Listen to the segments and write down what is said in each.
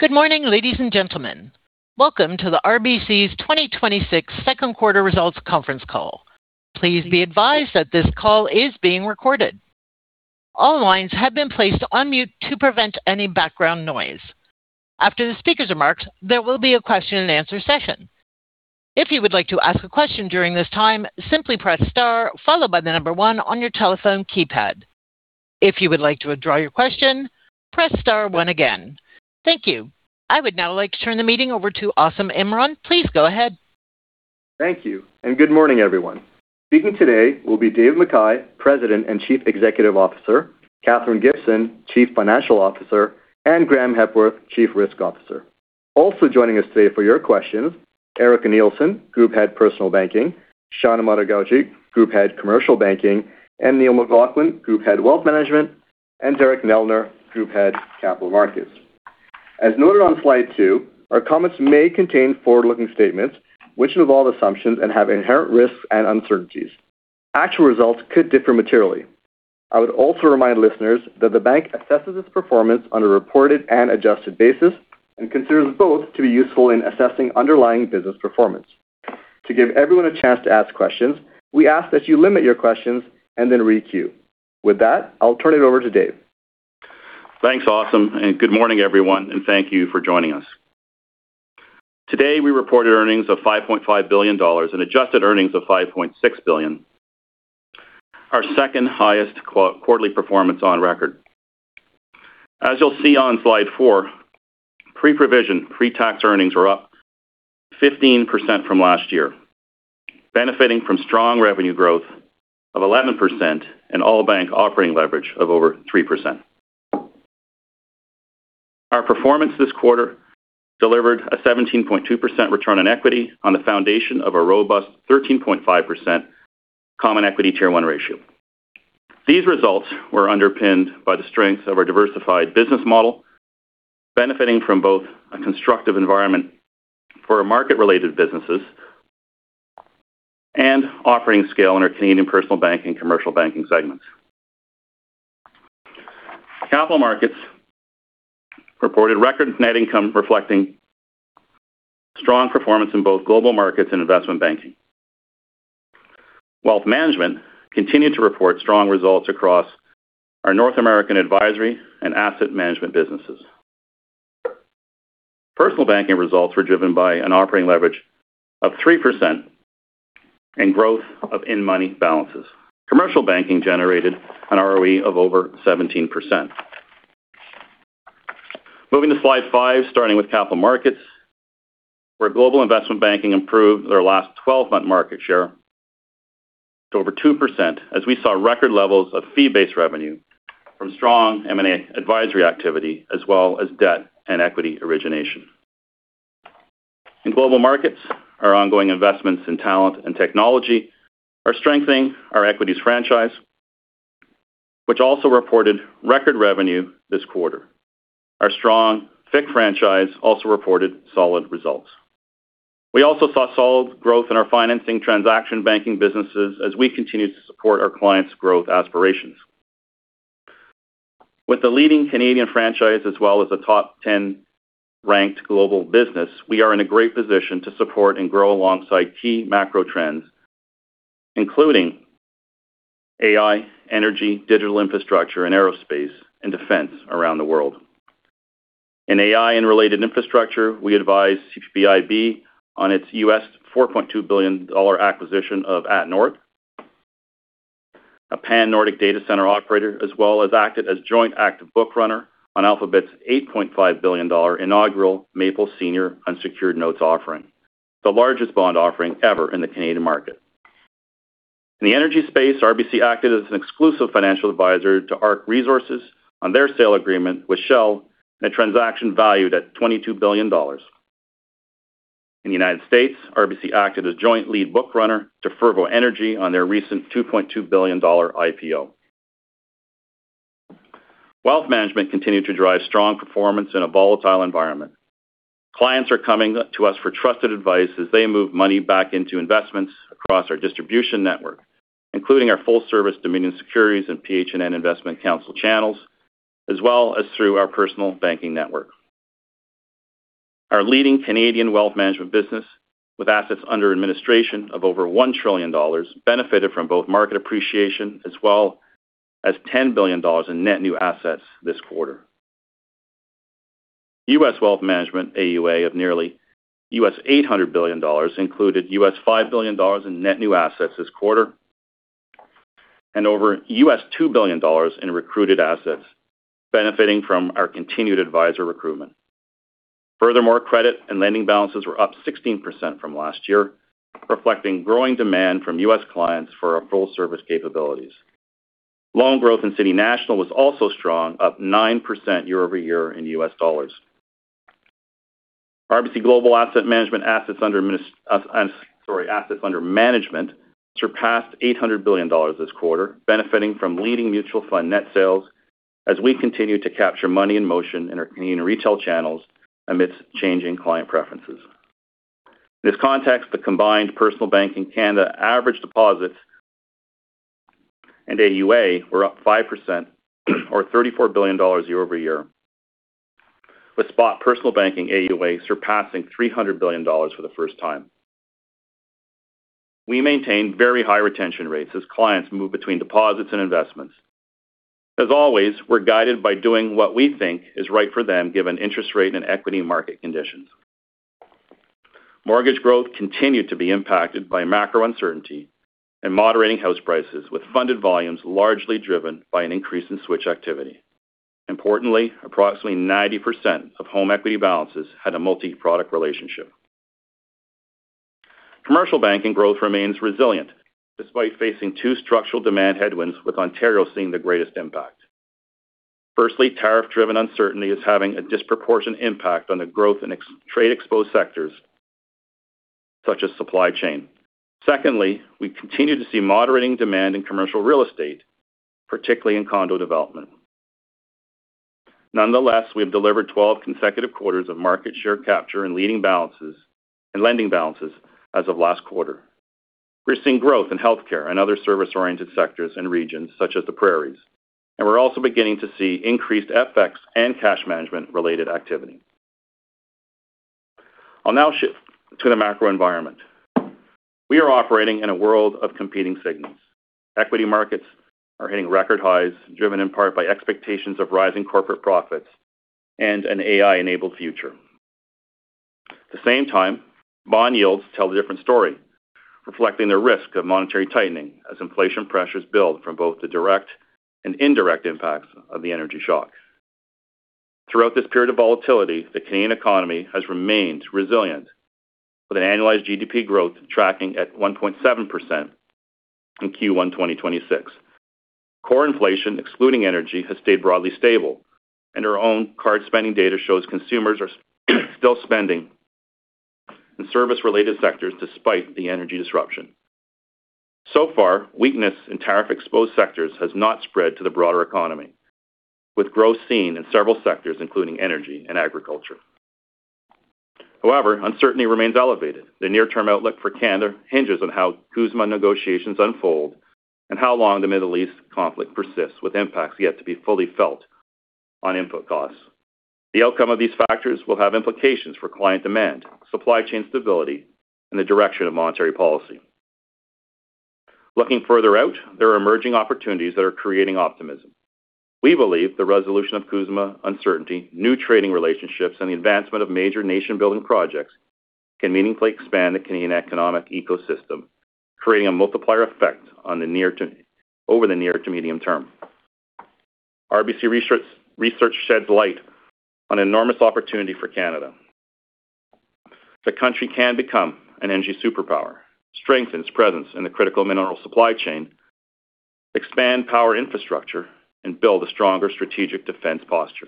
Good morning, ladies and gentlemen. Welcome to the RBC's 2026 second quarter results conference call. Please be advised that this call is being recorded. All lines have been placed on mute to prevent any background noise. After the speaker's remarks, there will be a question and answer session. If you would like to ask a question during this time, simply press star followed by the number one on your telephone keypad. If you would like to withdraw your question, press star one again. Thank you. I would now like to turn the meeting over to Asim Imran. Please go ahead. Thank you, and good morning, everyone. Speaking today will be Dave McKay, President and Chief Executive Officer, Katherine Gibson, Chief Financial Officer, and Graeme Hepworth, Chief Risk Officer. Also joining us today for your questions, Erica Nielsen, Group Head Personal Banking, Sean Amato-Gauci, Group Head Commercial Banking, and Neil McLaughlin, Group Head Wealth Management, and Derek Neldner, Group Head Capital Markets. As noted on slide two, our comments may contain forward-looking statements, which involve assumptions and have inherent risks and uncertainties. Actual results could differ materially. I would also remind listeners that the bank assesses its performance on a reported and adjusted basis and considers both to be useful in assessing underlying business performance. To give everyone a chance to ask questions, we ask that you limit your questions and then re-queue. With that, I'll turn it over to Dave. Thanks, Asim. Good morning, everyone, and thank you for joining us. Today, we reported earnings of 5.5 billion dollars and adjusted earnings of 5.6 billion, our second highest quarterly performance on record. As you'll see on slide four, pre-provision, pre-tax earnings were up 15% from last year, benefiting from strong revenue growth of 11% and all bank operating leverage of over 3%. Our performance this quarter delivered a 17.2% return on equity on the foundation of a robust 13.5% Common Equity Tier one ratio. These results were underpinned by the strength of our diversified business model, benefiting from both a constructive environment for our market-related businesses and offering scale in our Canadian Personal Banking, Commercial Banking segments. Capital Markets reported record net income reflecting strong performance in both global markets and investment banking. Wealth Management continued to report strong results across our North American advisory and asset management businesses. Personal Banking results were driven by an operating leverage of 3% and growth of in-money balances. Commercial Banking generated an ROE of over 17%. Moving to slide five, starting with Capital Markets, where global investment banking improved their last 12-month market share to over 2% as we saw record levels of fee-based revenue from strong M&A advisory activity, as well as debt and equity origination. In global markets, our ongoing investments in talent and technology are strengthening our equities franchise, which also reported record revenue this quarter. Our strong FICC franchise also reported solid results. We also saw solid growth in our financing transaction banking businesses as we continued to support our clients' growth aspirations. With the leading Canadian franchise as well as a top 10-ranked global business, we are in a great position to support and grow alongside key macro trends, including AI, energy, digital infrastructure, and aerospace and defense around the world. In AI and related infrastructure, we advise CPIB on its $4.2 billion acquisition of atNorth, a Pan-Nordic data center operator, as well as acted as joint active book runner on Alphabet's 8.5 billion dollar inaugural Maple senior unsecured notes offering, the largest bond offering ever in the Canadian market. In the energy space, RBC acted as an exclusive financial advisor to ARC Resources on their sale agreement with Shell in a transaction valued at 22 billion dollars. In the U.S., RBC acted as joint lead book runner to Fervo Energy on their recent $2.2 billion IPO. Wealth Management continued to drive strong performance in a volatile environment. Clients are coming to us for trusted advice as they move money back into investments across our distribution network, including our full-service RBC Dominion Securities and RBC PH&N Investment Counsel channels, as well as through our Personal Banking network. Our leading Canadian Wealth Management business with assets under administration of over 1 trillion dollars benefited from both market appreciation as well as 10 billion dollars in net new assets this quarter. U.S. Wealth Management AUA of nearly US $800 billion included US $5 billion in net new assets this quarter and over US $2 billion in recruited assets benefiting from our continued advisor recruitment. Credit and lending balances were up 16% from last year, reflecting growing demand from U.S. clients for our full service capabilities. Loan growth in City National Bank was also strong, up 9% year-over-year in U.S. dollars. RBC Global Asset Management assets under management surpassed 800 billion dollars this quarter, benefiting from leading mutual fund net sales as we continue to capture money in motion in our Canadian retail channels amidst changing client preferences. In this context, the combined Personal Banking in Canada average deposits and AUA were up 5% or 34 billion dollars year-over-year, with Spot Personal Banking AUA surpassing 300 billion dollars for the first time. We maintained very high retention rates as clients move between deposits and investments. As always, we're guided by doing what we think is right for them, given interest rate and equity market conditions. Mortgage growth continued to be impacted by macro uncertainty and moderating house prices, with funded volumes largely driven by an increase in switch activity. Importantly, approximately 90% of home equity balances had a multi-product relationship. Commercial Banking growth remains resilient despite facing two structural demand headwinds, with Ontario seeing the greatest impact. Tariff-driven uncertainty is having a disproportionate impact on the growth in trade-exposed sectors such as supply chain. We continue to see moderating demand in commercial real estate, particularly in condo development. Nonetheless, we have delivered 12 consecutive quarters of market share capture and leading balances and lending balances as of last quarter. We're seeing growth in healthcare and other service-oriented sectors and regions such as the Prairies. We're also beginning to see increased FX and cash management-related activity. I'll now shift to the macro environment. We are operating in a world of competing signals. Equity markets are hitting record highs, driven in part by expectations of rising corporate profits and an AI-enabled future. At the same time, bond yields tell a different story, reflecting the risk of monetary tightening as inflation pressures build from both the direct and indirect impacts of the energy shock. Throughout this period of volatility, the Canadian economy has remained resilient, with an annualized GDP growth tracking at 1.7% in Q1 2026. Core inflation, excluding energy, has stayed broadly stable, and our own card spending data shows consumers are still spending in service-related sectors despite the energy disruption. Weakness in tariff-exposed sectors has not spread to the broader economy, with growth seen in several sectors, including energy and agriculture. However, uncertainty remains elevated. The near-term outlook for Canada hinges on how CUSMA negotiations unfold and how long the Middle East conflict persists, with impacts yet to be fully felt on input costs. The outcome of these factors will have implications for client demand, supply chain stability, and the direction of monetary policy. Looking further out, there are emerging opportunities that are creating optimism. We believe the resolution of CUSMA uncertainty, new trading relationships, and the advancement of major nation-building projects can meaningfully expand the Canadian economic ecosystem, creating a multiplier effect over the near to medium term. RBC Research sheds light on enormous opportunity for Canada. The country can become an energy superpower, strengthen its presence in the critical mineral supply chain, expand power infrastructure, and build a stronger strategic defense posture.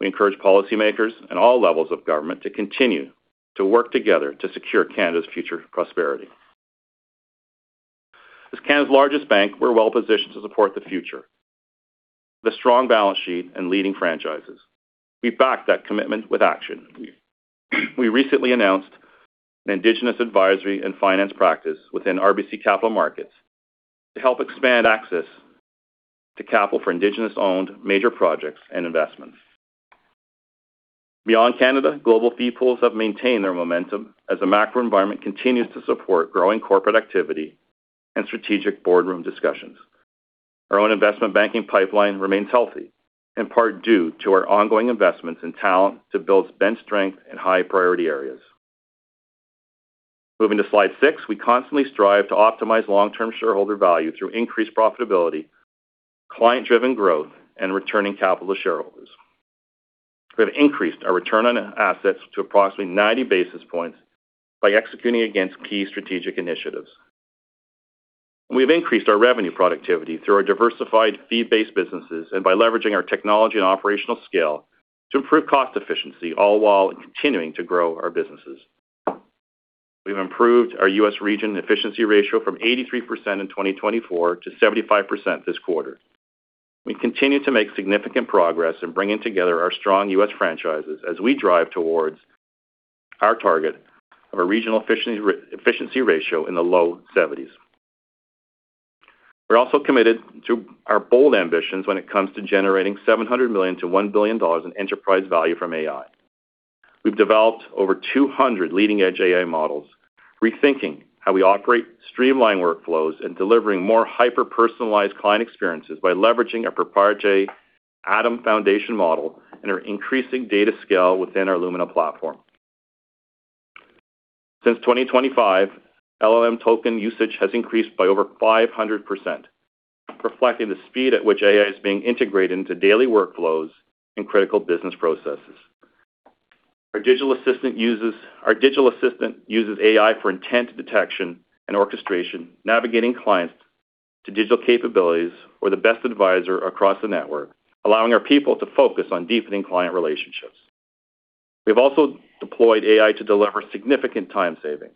We encourage policymakers at all levels of government to continue to work together to secure Canada's future prosperity. As Canada's largest bank, we're well-positioned to support the future with a strong balance sheet and leading franchises. We back that commitment with action. We recently announced an indigenous advisory and finance practice within RBC Capital Markets to help expand access to capital for indigenous-owned major projects and investments. Beyond Canada, global fee pools have maintained their momentum as the macro environment continues to support growing corporate activity and strategic boardroom discussions. Our own investment banking pipeline remains healthy, in part due to our ongoing investments in talent to build bench strength in high-priority areas. Moving to slide six, we constantly strive to optimize long-term shareholder value through increased profitability, client-driven growth, and returning capital to shareholders. We have increased our return on assets to approximately 90 basis points by executing against key strategic initiatives. We have increased our revenue productivity through our diversified fee-based businesses and by leveraging our technology and operational scale to improve cost efficiency, all while continuing to grow our businesses. We've improved our U.S. region efficiency ratio from 83% in 2024 to 75% this quarter. We continue to make significant progress in bringing together our strong U.S. franchises as we drive towards our target of a regional efficiency ratio in the low 70s. We're also committed to our bold ambitions when it comes to generating 700 million-1 billion dollars in enterprise value from AI. We've developed over 200 leading-edge AI models, rethinking how we operate streamlined workflows and delivering more hyper-personalized client experiences by leveraging our proprietary ADAM foundation model and our increasing data scale within our Illumina platform. Since 2025, LLM token usage has increased by over 500%, reflecting the speed at which AI is being integrated into daily workflows and critical business processes. Our digital assistant uses AI for intent detection and orchestration, navigating clients to digital capabilities or the best advisor across the network, allowing our people to focus on deepening client relationships. We've also deployed AI to deliver significant time savings.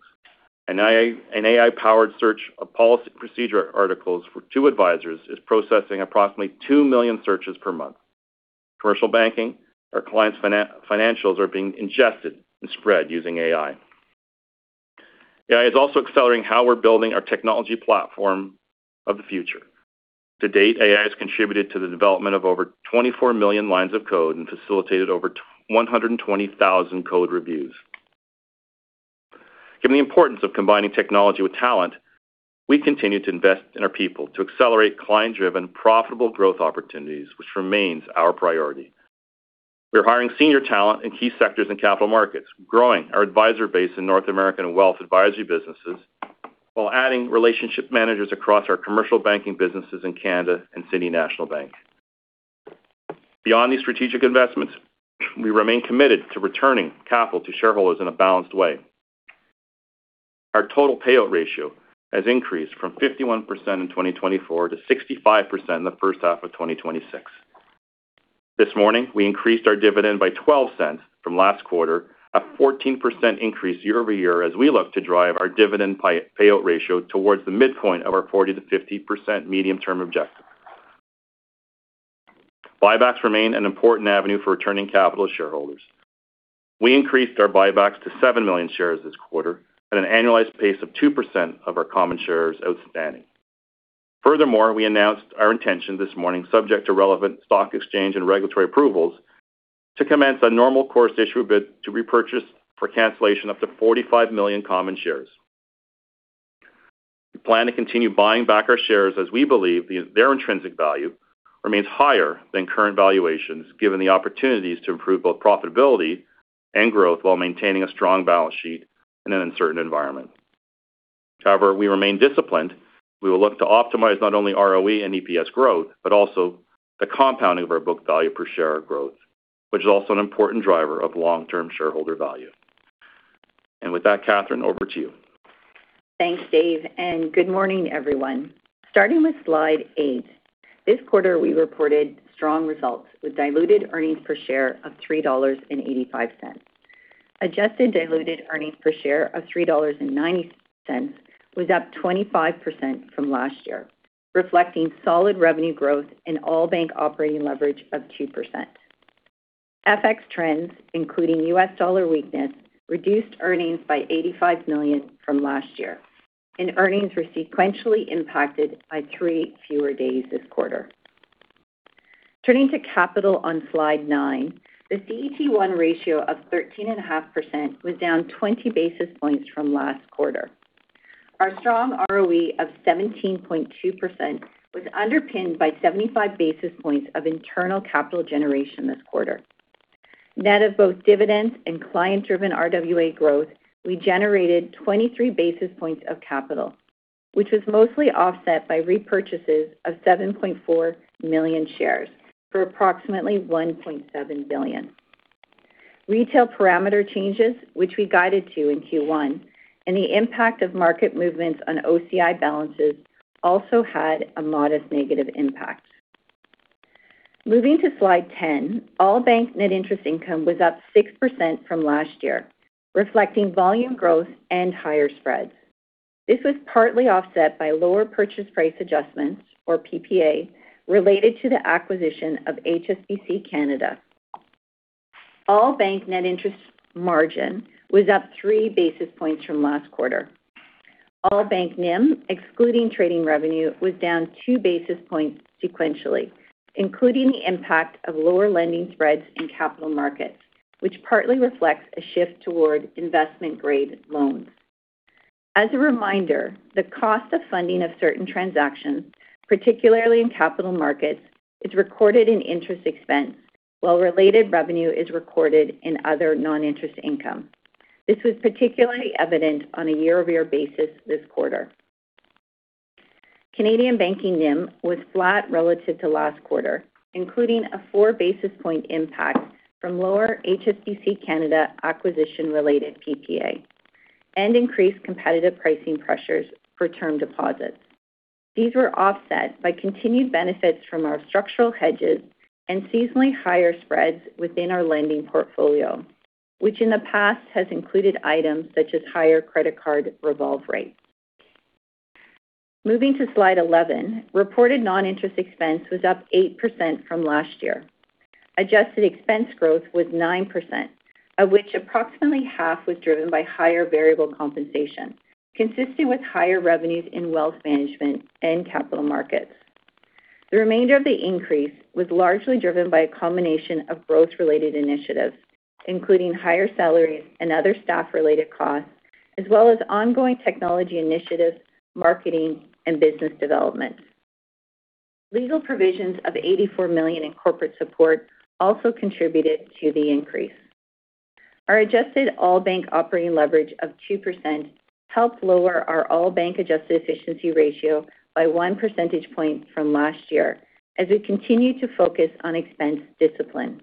An AI-powered search of policy procedure articles for two advisors is processing approximately two million searches per month. Commercial Banking, our clients' financials are being ingested and spread using AI. AI is also accelerating how we're building our technology platform of the future. To date, AI has contributed to the development of over 24 million lines of code and facilitated over 120,000 code reviews. Given the importance of combining technology with talent, we continue to invest in our people to accelerate client-driven profitable growth opportunities, which remains our priority. We're hiring senior talent in key sectors in Capital Markets, growing our advisor base in North American wealth advisory businesses, while adding relationship managers across our Commercial Banking businesses in Canada and City National Bank. Beyond these strategic investments, we remain committed to returning capital to shareholders in a balanced way. Our total payout ratio has increased from 51% in 2024 to 65% in the first half of 2026. This morning, we increased our dividend by 0.12 from last quarter, a 14% increase year-over-year as we look to drive our dividend payout ratio towards the midpoint of our 40%-50% medium-term objective. Buybacks remain an important avenue for returning capital to shareholders. We increased our buybacks to seven million shares this quarter at an annualized pace of 2% of our common shares outstanding. We announced our intention this morning, subject to relevant stock exchange and regulatory approvals, to commence a normal course issue bid to repurchase for cancellation up to 45 million common shares. We plan to continue buying back our shares as we believe their intrinsic value remains higher than current valuations, given the opportunities to improve both profitability and growth while maintaining a strong balance sheet in an uncertain environment. We remain disciplined. We will look to optimize not only ROE and EPS growth, but also the compounding of our book value per share growth, which is also an important driver of long-term shareholder value. With that, Katherine, over to you. Thanks, Dave. Good morning, everyone. Starting with Slide eight, this quarter, we reported strong results with diluted earnings per share of 3.85 dollars. Adjusted diluted earnings per share of 3.90 dollars was up 25% from last year, reflecting solid revenue growth in all-bank operating leverage of 2%. FX trends, including U.S. dollar weakness, reduced earnings by $85 million from last year, and earnings were sequentially impacted by three fewer days this quarter. Turning to capital on Slide nine, the CET1 ratio of 13.5% was down 20 basis points from last quarter. Our strong ROE of 17.2% was underpinned by 75 basis points of internal capital generation this quarter. Net of both dividends and client-driven RWA growth, we generated 23 basis points of capital, which was mostly offset by repurchases of 7.4 million shares for approximately 1.7 billion. Retail parameter changes, which we guided to in Q1, the impact of market movements on OCI balances also had a modest negative impact. Moving to Slide 10, all bank net interest income was up 6% from last year, reflecting volume growth and higher spreads. This was partly offset by lower purchase price adjustments, or PPA, related to the acquisition of HSBC Canada. All bank net interest margin was up three basis points from last quarter. All bank NIM, excluding trading revenue, was down two basis points sequentially, including the impact of lower lending spreads in Capital Markets, which partly reflects a shift toward investment-grade loans. As a reminder, the cost of funding of certain transactions, particularly in Capital Markets, is recorded in interest expense, while related revenue is recorded in other non-interest income. This was particularly evident on a year-over-year basis this quarter. Canadian Banking NIM was flat relative to last quarter, including a four basis point impact from lower HSBC Canada acquisition-related PPA and increased competitive pricing pressures for term deposits. These were offset by continued benefits from our structural hedges and seasonally higher spreads within our lending portfolio, which in the past has included items such as higher credit card revolve rates. Moving to Slide 11, reported non-interest expense was up 8% from last year. Adjusted expense growth was 9%, of which approximately half was driven by higher variable compensation, consistent with higher revenues in Wealth Management and Capital Markets. The remainder of the increase was largely driven by a combination of growth-related initiatives, including higher salaries and other staff-related costs, as well as ongoing technology initiatives, marketing, and business development. Legal provisions of 84 million in Corporate Support also contributed to the increase. Our adjusted all-bank operating leverage of 2% helped lower our all-bank adjusted efficiency ratio by one percentage point from last year as we continued to focus on expense discipline.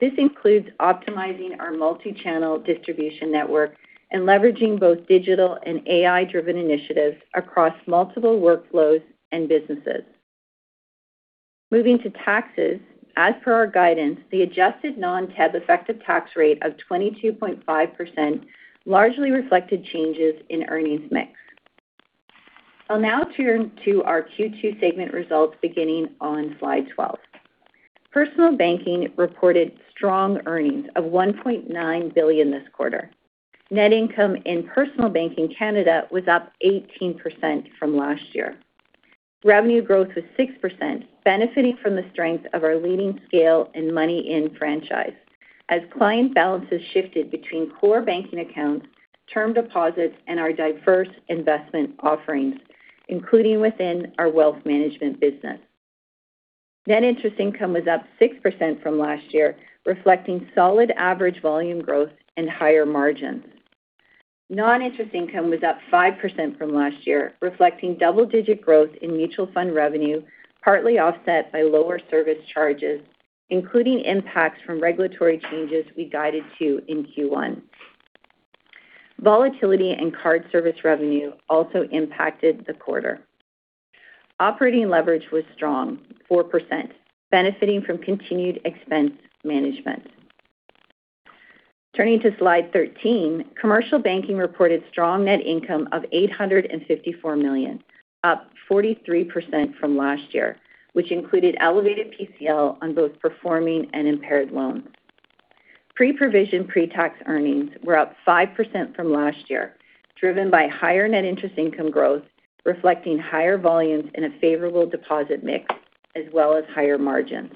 This includes optimizing our multi-channel distribution network and leveraging both digital and AI-driven initiatives across multiple workflows and businesses. Moving to taxes, as per our guidance, the adjusted non-TEB effective tax rate of 22.5% largely reflected changes in earnings mix. I'll now turn to our Q2 segment results beginning on slide 12. Personal Banking reported strong earnings of 1.9 billion this quarter. Net income in Personal Banking Canada was up 18% from last year. Revenue growth was 6%, benefiting from the strength of our leading scale and money-in franchise as client balances shifted between core banking accounts, term deposits, and our diverse investment offerings, including within our Wealth Management business. Net interest income was up 6% from last year, reflecting solid average volume growth and higher margins. Non-interest income was up 5% from last year, reflecting double-digit growth in mutual fund revenue, partly offset by lower service charges, including impacts from regulatory changes we guided to in Q1. Volatility in card service revenue also impacted the quarter. Operating leverage was strong, 4%, benefiting from continued expense management. Turning to slide 13, Commercial Banking reported strong net income of 854 million, up 43% from last year, which included elevated PCL on both performing and impaired loans. Pre-provision, pre-tax earnings were up 5% from last year, driven by higher net interest income growth, reflecting higher volumes and a favorable deposit mix, as well as higher margins.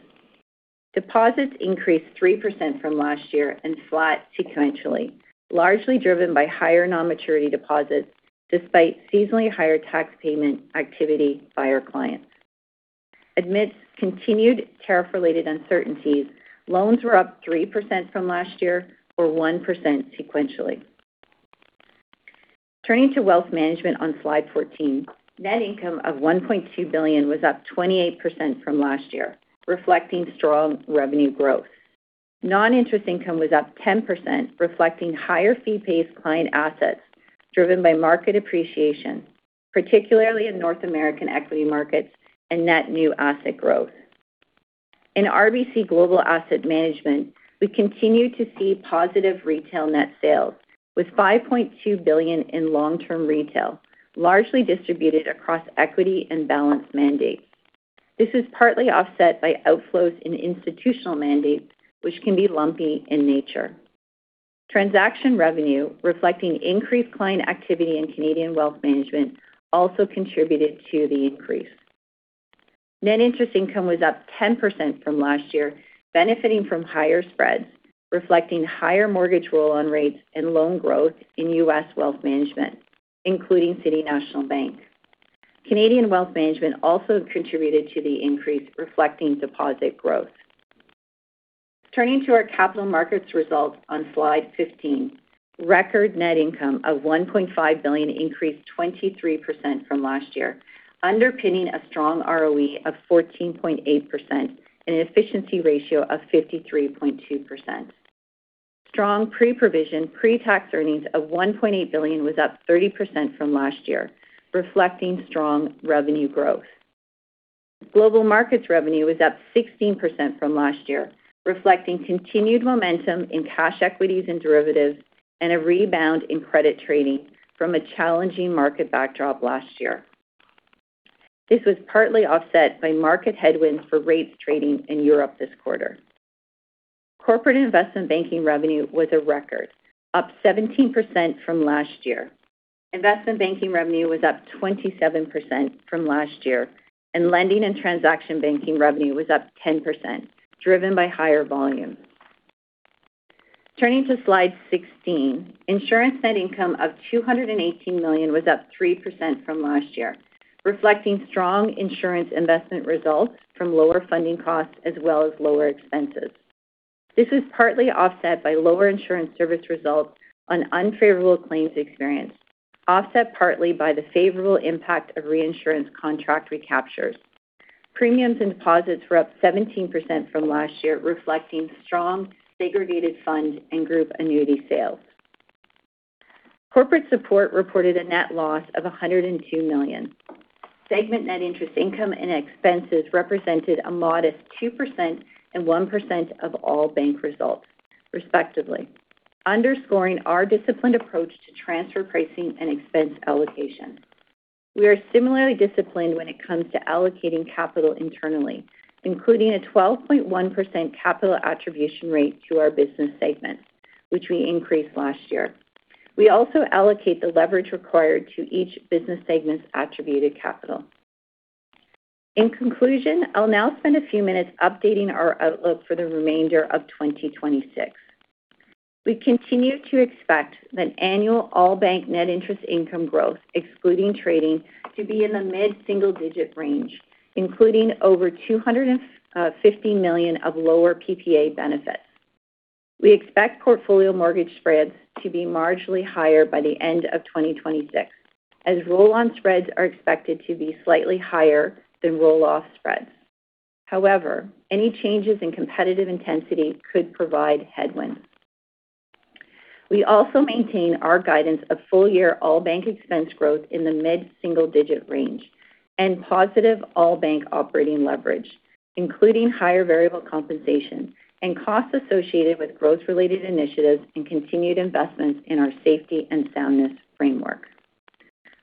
Deposits increased 3% from last year and flat sequentially, largely driven by higher non-maturity deposits, despite seasonally higher tax payment activity by our clients. Amidst continued tariff-related uncertainties, loans were up 3% from last year or 1% sequentially. Turning to Wealth Management on slide 14, net income of 1.2 billion was up 28% from last year, reflecting strong revenue growth. Non-interest income was up 10%, reflecting higher fee-based client assets driven by market appreciation, particularly in North American equity markets and net new asset growth. In RBC Global Asset Management, we continue to see positive retail net sales with 5.2 billion in long-term retail, largely distributed across equity and balance mandates. This is partly offset by outflows in institutional mandates, which can be lumpy in nature. Transaction revenue, reflecting increased client activity in Canadian Wealth Management, also contributed to the increase. Net interest income was up 10% from last year, benefiting from higher spreads, reflecting higher mortgage roll-on rates and loan growth in U.S. Wealth Management, including City National Bank. Canadian Wealth Management also contributed to the increase reflecting deposit growth. Turning to our Capital Markets results on slide 15, record net income of 1.5 billion increased 23% from last year, underpinning a strong ROE of 14.8% and an efficiency ratio of 53.2%. Strong pre-provision, pre-tax earnings of 1.8 billion was up 30% from last year, reflecting strong revenue growth. Global markets revenue was up 16% from last year, reflecting continued momentum in cash equities and derivatives and a rebound in credit trading from a challenging market backdrop last year. This was partly offset by market headwinds for rates trading in Europe this quarter. Corporate and investment banking revenue was a record, up 17% from last year. Investment banking revenue was up 27% from last year, and lending and transaction banking revenue was up 10%, driven by higher volume. Turning to slide 16, Insurance net income of 218 million was up 3% from last year, reflecting strong Insurance investment results from lower funding costs as well as lower expenses. This was partly offset by lower Insurance service results on unfavorable claims experience, offset partly by the favorable impact of reinsurance contract recaptures. Premiums and deposits were up 17% from last year, reflecting strong segregated fund and group annuity sales. Corporate Support reported a net loss of 102 million. Segment net interest income and expenses represented a modest 2% and 1% of all bank results, respectively, underscoring our disciplined approach to transfer pricing and expense allocation. We are similarly disciplined when it comes to allocating capital internally, including a 12.1% capital attribution rate to our business segments, which we increased last year. We also allocate the leverage required to each business segment's attributed capital. In conclusion, I'll now spend a few minutes updating our outlook for the remainder of 2026. We continue to expect that annual all-bank net interest income growth, excluding trading, to be in the mid-single-digit range, including over 250 million of lower PPA benefits. We expect portfolio mortgage spreads to be marginally higher by the end of 2026, as roll-on spreads are expected to be slightly higher than roll-off spreads. Any changes in competitive intensity could provide headwinds. We also maintain our guidance of full-year all-bank expense growth in the mid-single-digit range. Positive all bank operating leverage, including higher variable compensation and costs associated with growth-related initiatives and continued investments in our safety and soundness framework.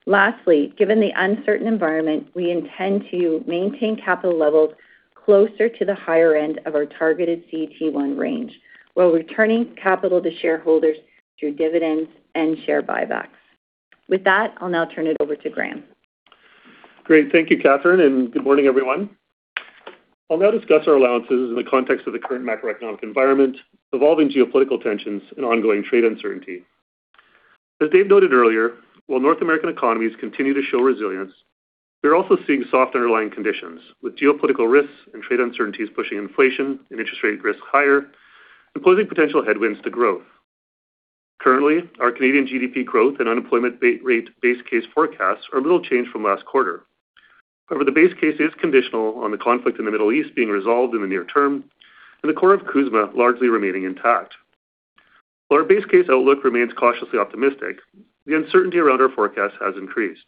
Lastly, given the uncertain environment, we intend to maintain capital levels closer to the higher end of our targeted CET1 range, while returning capital to shareholders through dividends and share buybacks. With that, I'll now turn it over to Graeme. Great. Thank you, Katherine. Good morning, everyone. I'll now discuss our allowances in the context of the current macroeconomic environment, evolving geopolitical tensions, and ongoing trade uncertainty. As Dave noted earlier, while North American economies continue to show resilience, we are also seeing soft underlying conditions, with geopolitical risks and trade uncertainties pushing inflation and interest rate risks higher and posing potential headwinds to growth. Currently, our Canadian GDP growth and unemployment rate base case forecasts are little changed from last quarter. The base case is conditional on the conflict in the Middle East being resolved in the near term and the core of CUSMA largely remaining intact. While our base case outlook remains cautiously optimistic, the uncertainty around our forecast has increased.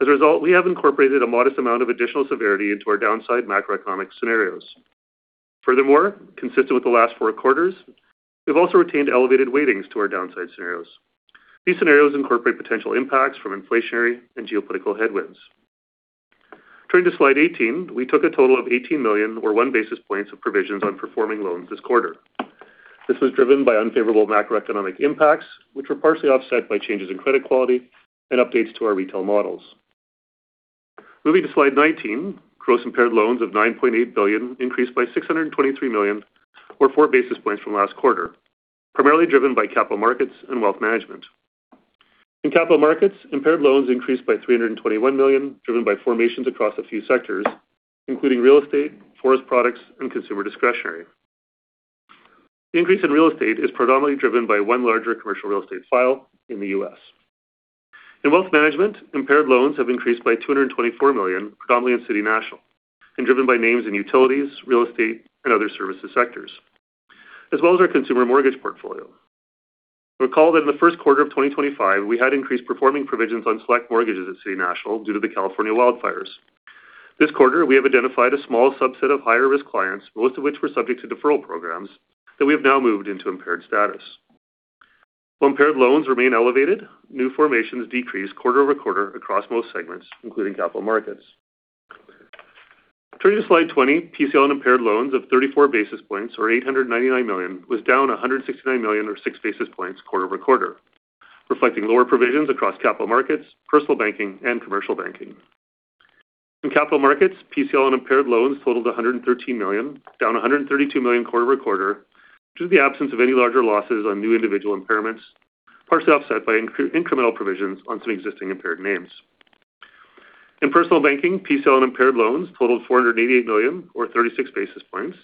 We have incorporated a modest amount of additional severity into our downside macroeconomic scenarios. Furthermore, consistent with the last four quarters, we've also retained elevated weightings to our downside scenarios. These scenarios incorporate potential impacts from inflationary and geopolitical headwinds. Turning to slide 18, we took a total of 18 million or one basis points of provisions on performing loans this quarter. This was driven by unfavorable macroeconomic impacts, which were partially offset by changes in credit quality and updates to our retail models. Moving to slide 19, gross impaired loans of 9.8 billion increased by 623 million or four basis points from last quarter, primarily driven by Capital Markets and Wealth Management. In Capital Markets, impaired loans increased by 321 million, driven by formations across a few sectors, including real estate, forest products, and consumer discretionary. The increase in real estate is predominantly driven by one larger commercial real estate file in the U.S. In Wealth Management, impaired loans have increased by 224 million, predominantly in City National, and driven by names in utilities, real estate, and other services sectors, as well as our consumer mortgage portfolio. Recall that in the first quarter of 2025, we had increased performing provisions on select mortgages at City National due to the California wildfires. This quarter, we have identified a small subset of higher-risk clients, most of which were subject to deferral programs, that we have now moved into impaired status. While impaired loans remain elevated, new formations decreased quarter-over-quarter across most segments, including Capital Markets. Turning to slide 20, PCL and impaired loans of 34 basis points or 899 million was down 169 million or six basis points quarter-over-quarter, reflecting lower provisions across Capital Markets, Personal Banking, and Commercial Banking. In Capital Markets, PCL and impaired loans totaled 113 million, down 132 million quarter-over-quarter due to the absence of any larger losses on new individual impairments, partially offset by incremental provisions on some existing impaired names. In Personal Banking, PCL and impaired loans totaled 488 million or 36 basis points,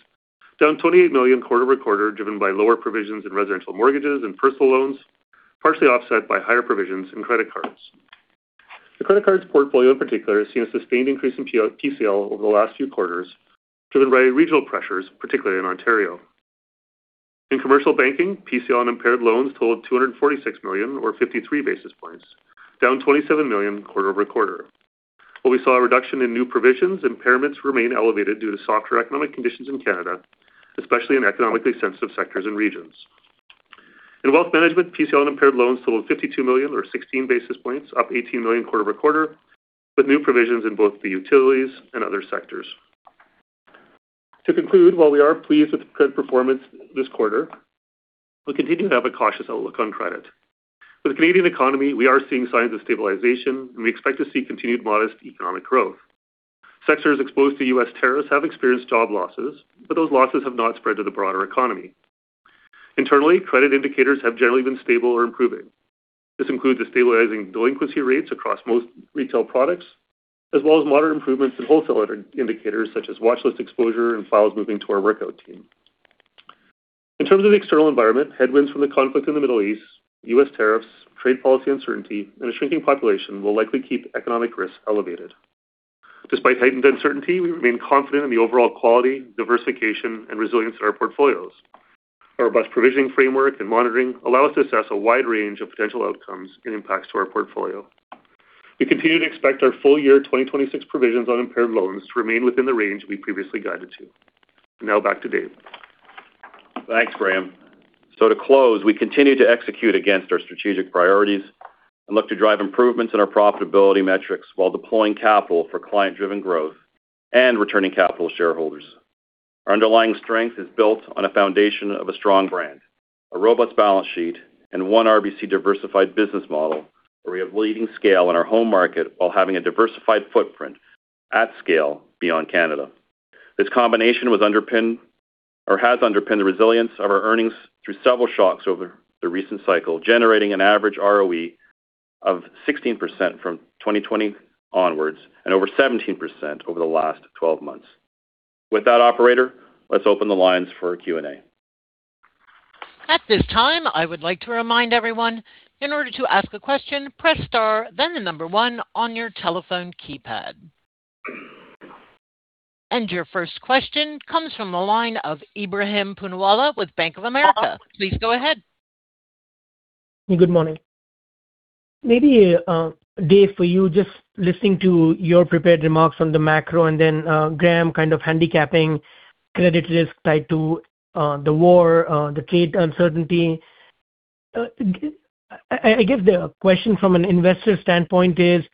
down 28 million quarter-over-quarter, driven by lower provisions in residential mortgages and personal loans, partially offset by higher provisions in credit cards. The credit cards portfolio in particular has seen a sustained increase in PCL over the last few quarters driven by regional pressures, particularly in Ontario. In Commercial Banking, PCL and impaired loans totaled 246 million or 53 basis points, down 27 million quarter-over-quarter. While we saw a reduction in new provisions, impairments remain elevated due to softer economic conditions in Canada, especially in economically sensitive sectors and regions. In Wealth Management, PCL and impaired loans totaled 52 million or 16 basis points, up 18 million quarter-over-quarter, with new provisions in both the utilities and other sectors. To conclude, while we are pleased with the credit performance this quarter, we continue to have a cautious outlook on credit. For the Canadian economy, we are seeing signs of stabilization, and we expect to see continued modest economic growth. Sectors exposed to U.S. tariffs have experienced job losses, but those losses have not spread to the broader economy. Internally, credit indicators have generally been stable or improving. This includes the stabilizing delinquency rates across most retail products, as well as moderate improvements in wholesale indicators such as watchlist exposure and files moving to our workout team. In terms of the external environment, headwinds from the conflict in the Middle East, U.S. tariffs, trade policy uncertainty, and a shrinking population will likely keep economic risks elevated. Despite heightened uncertainty, we remain confident in the overall quality, diversification, and resilience in our portfolios. Our robust provisioning framework and monitoring allow us to assess a wide range of potential outcomes and impacts to our portfolio. We continue to expect our full year 2026 provisions on impaired loans to remain within the range we previously guided to. Now back to Dave. Thanks, Graeme. To close, we continue to execute against our strategic priorities and look to drive improvements in our profitability metrics while deploying capital for client-driven growth and returning capital to shareholders. Our underlying strength is built on a foundation of a strong brand, a robust balance sheet, and one RBC diversified business model where we have leading scale in our home market while having a diversified footprint at scale beyond Canada. This combination has underpinned the resilience of our earnings through several shocks over the recent cycle, generating an average ROE of 16% from 2020 onwards and over 17% over the last 12 months. With that, operator, let's open the lines for Q&A. This time i would like to remind everyone inorder to ask a question press star then number one on your telephone keypad. Your first question comes from the line of Ebrahim Poonawala with Bank of America. Please go ahead. Good morning. Maybe, Dave, for you, just listening to your prepared remarks on the macro and then Graeme kind of handicapping credit risk tied to the war, the trade uncertainty. I guess the question from an investor standpoint is: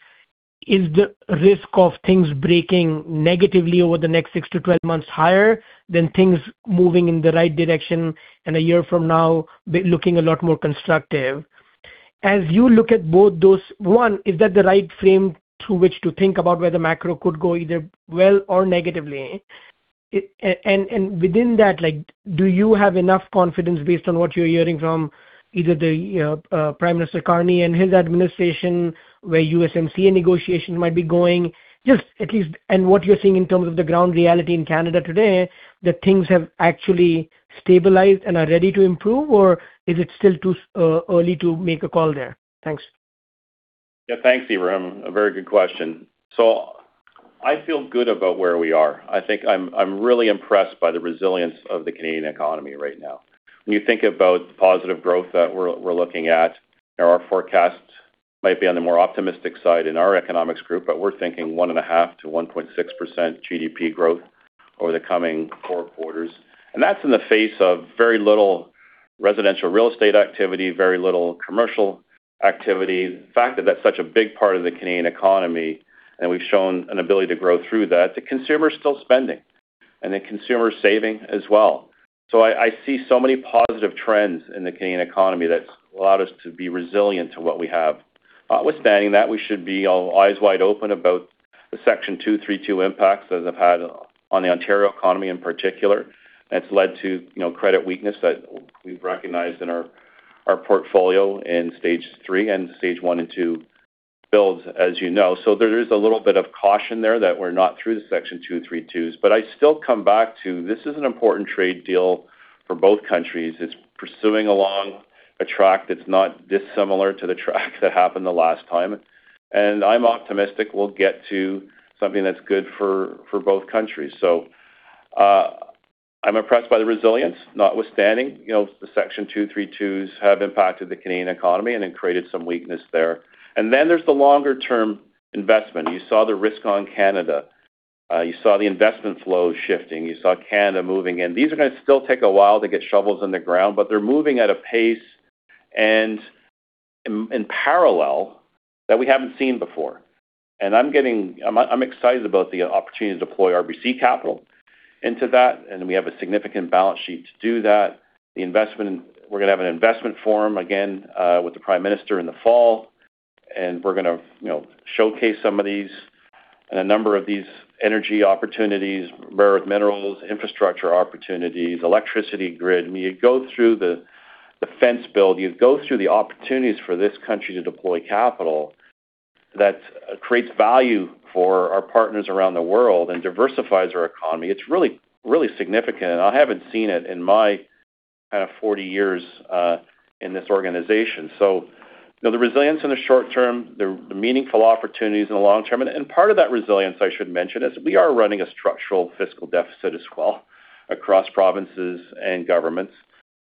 Is the risk of things breaking negatively over the next six to 12 months higher than things moving in the right direction, and a year from now, looking a lot more constructive? As you look at both those, one, is that the right frame through which to think about whether macro could go either well or negatively? Within that, do you have enough confidence based on what you're hearing from either the Prime Minister Carney and his administration, where CUSMA negotiation might be going? Just at least, what you're seeing in terms of the ground reality in Canada today, that things have actually stabilized and are ready to improve, or is it still too early to make a call there? Thanks. Yeah, thanks, Ebrahim. A very good question. I feel good about where we are. I think I'm really impressed by the resilience of the Canadian economy right now. When you think about the positive growth that we're looking at, our forecasts might be on the more optimistic side in our economics group, but we're thinking 1.5%-1.6% GDP growth over the coming four quarters. That's in the face of very little residential real estate activity, very little commercial activity. The fact that that's such a big part of the Canadian economy, and we've shown an ability to grow through that, the consumer is still spending, and the consumer is saving as well. I see so many positive trends in the Canadian economy that's allowed us to be resilient to what we have. Notwithstanding that, we should be all eyes wide open about the Section 232 impacts that have had on the Ontario economy in particular. That's led to credit weakness that we've recognized in our portfolio in stage three and stage one and two builds, as you know. There is a little bit of caution there that we're not through the Section 232s. I still come back to, this is an important trade deal for both countries. It's pursuing along a track that's not dissimilar to the track that happened the last time. I'm optimistic we'll get to something that's good for both countries. I'm impressed by the resilience, notwithstanding the Section 232s have impacted the Canadian economy and then created some weakness there. There's the longer-term investment. You saw the risk on Canada. You saw the investment flow shifting. You saw Canada moving in. These are going to still take a while to get shovels in the ground, but they're moving at a pace and parallel that we haven't seen before. I'm excited about the opportunity to deploy RBC capital into that, and we have a significant balance sheet to do that. We're going to have an investment forum again with the Prime Minister in the fall, and we're going to showcase some of these and a number of these energy opportunities, rare earth minerals, infrastructure opportunities, electricity grid. When you go through the fence build, you go through the opportunities for this country to deploy capital that creates value for our partners around the world and diversifies our economy. It's really significant. I haven't seen it in my kind of 40 years in this organization. The resilience in the short term, the meaningful opportunities in the long term. Part of that resilience, I should mention, is we are running a structural fiscal deficit as well across provinces and governments.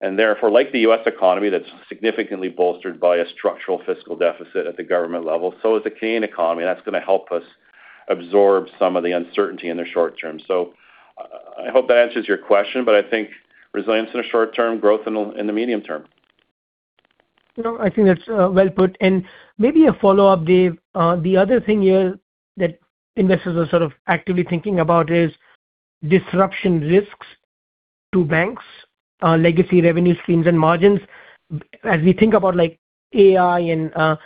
Therefore, like the U.S. economy, that's significantly bolstered by a structural fiscal deficit at the government level. So is the Canadian economy, that's going to help us absorb some of the uncertainty in the short term. I hope that answers your question, but I think resilience in the short term, growth in the medium term. No, I think that's well put. Maybe a follow-up, Dave. The other thing here that investors are sort of actively thinking about is disruption risks to banks' legacy revenue streams and margins. As we think about AI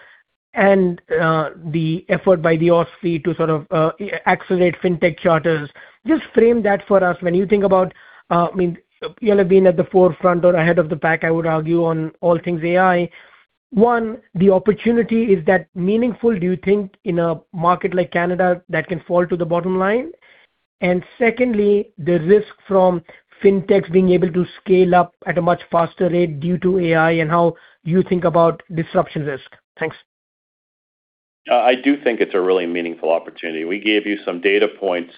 and the effort by the OSFI to sort of accelerate fintech charters, just frame that for us. When you think about, you have been at the forefront or ahead of the pack, I would argue, on all things AI. One, the opportunity, is that meaningful, do you think, in a market like Canada that can fall to the bottom line? Secondly, the risk from fintechs being able to scale up at a much faster rate due to AI and how you think about disruption risk. Thanks. I do think it's a really meaningful opportunity. We gave you some data points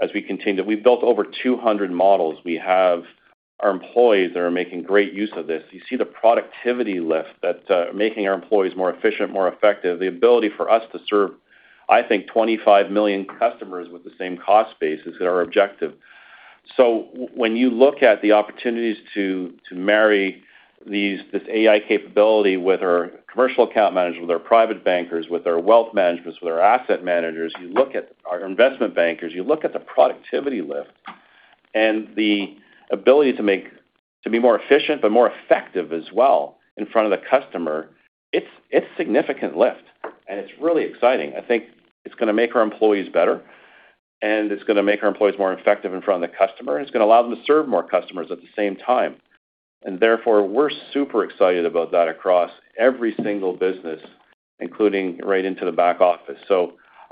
as we continue. We've built over 200 models. We have our employees that are making great use of this. You see the productivity lift that's making our employees more efficient, more effective. The ability for us to serve, I think, 25 million customers with the same cost base is our objective. When you look at the opportunities to marry this AI capability with our commercial account managers, with our private bankers, with our wealth managers, with our asset managers, you look at our investment bankers, you look at the productivity lift and the ability to be more efficient but more effective as well in front of the customer, it's significant lift, and it's really exciting. I think it's going to make our employees better, and it's going to make our employees more effective in front of the customer, and it's going to allow them to serve more customers at the same time. Therefore, we're super excited about that across every single business, including right into the back office.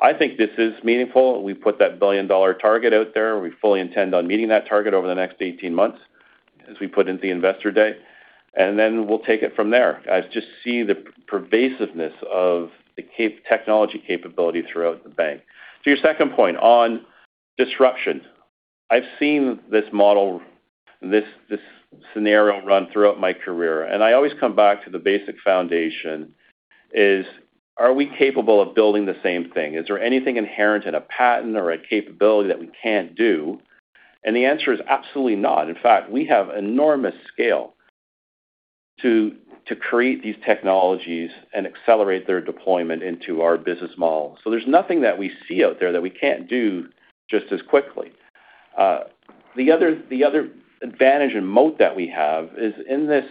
I think this is meaningful. We put that billion-dollar target out there. We fully intend on meeting that target over the next 18 months, as we put into Investor Day. Then we'll take it from there. I just see the pervasiveness of the technology capability throughout the bank. To your second point on disruption. I've seen this model, this scenario run throughout my career, and I always come back to the basic foundation is, are we capable of building the same thing? Is there anything inherent in a patent or a capability that we can't do? The answer is absolutely not. In fact, we have enormous scale to create these technologies and accelerate their deployment into our business model. There's nothing that we see out there that we can't do just as quickly. The other advantage and moat that we have is in this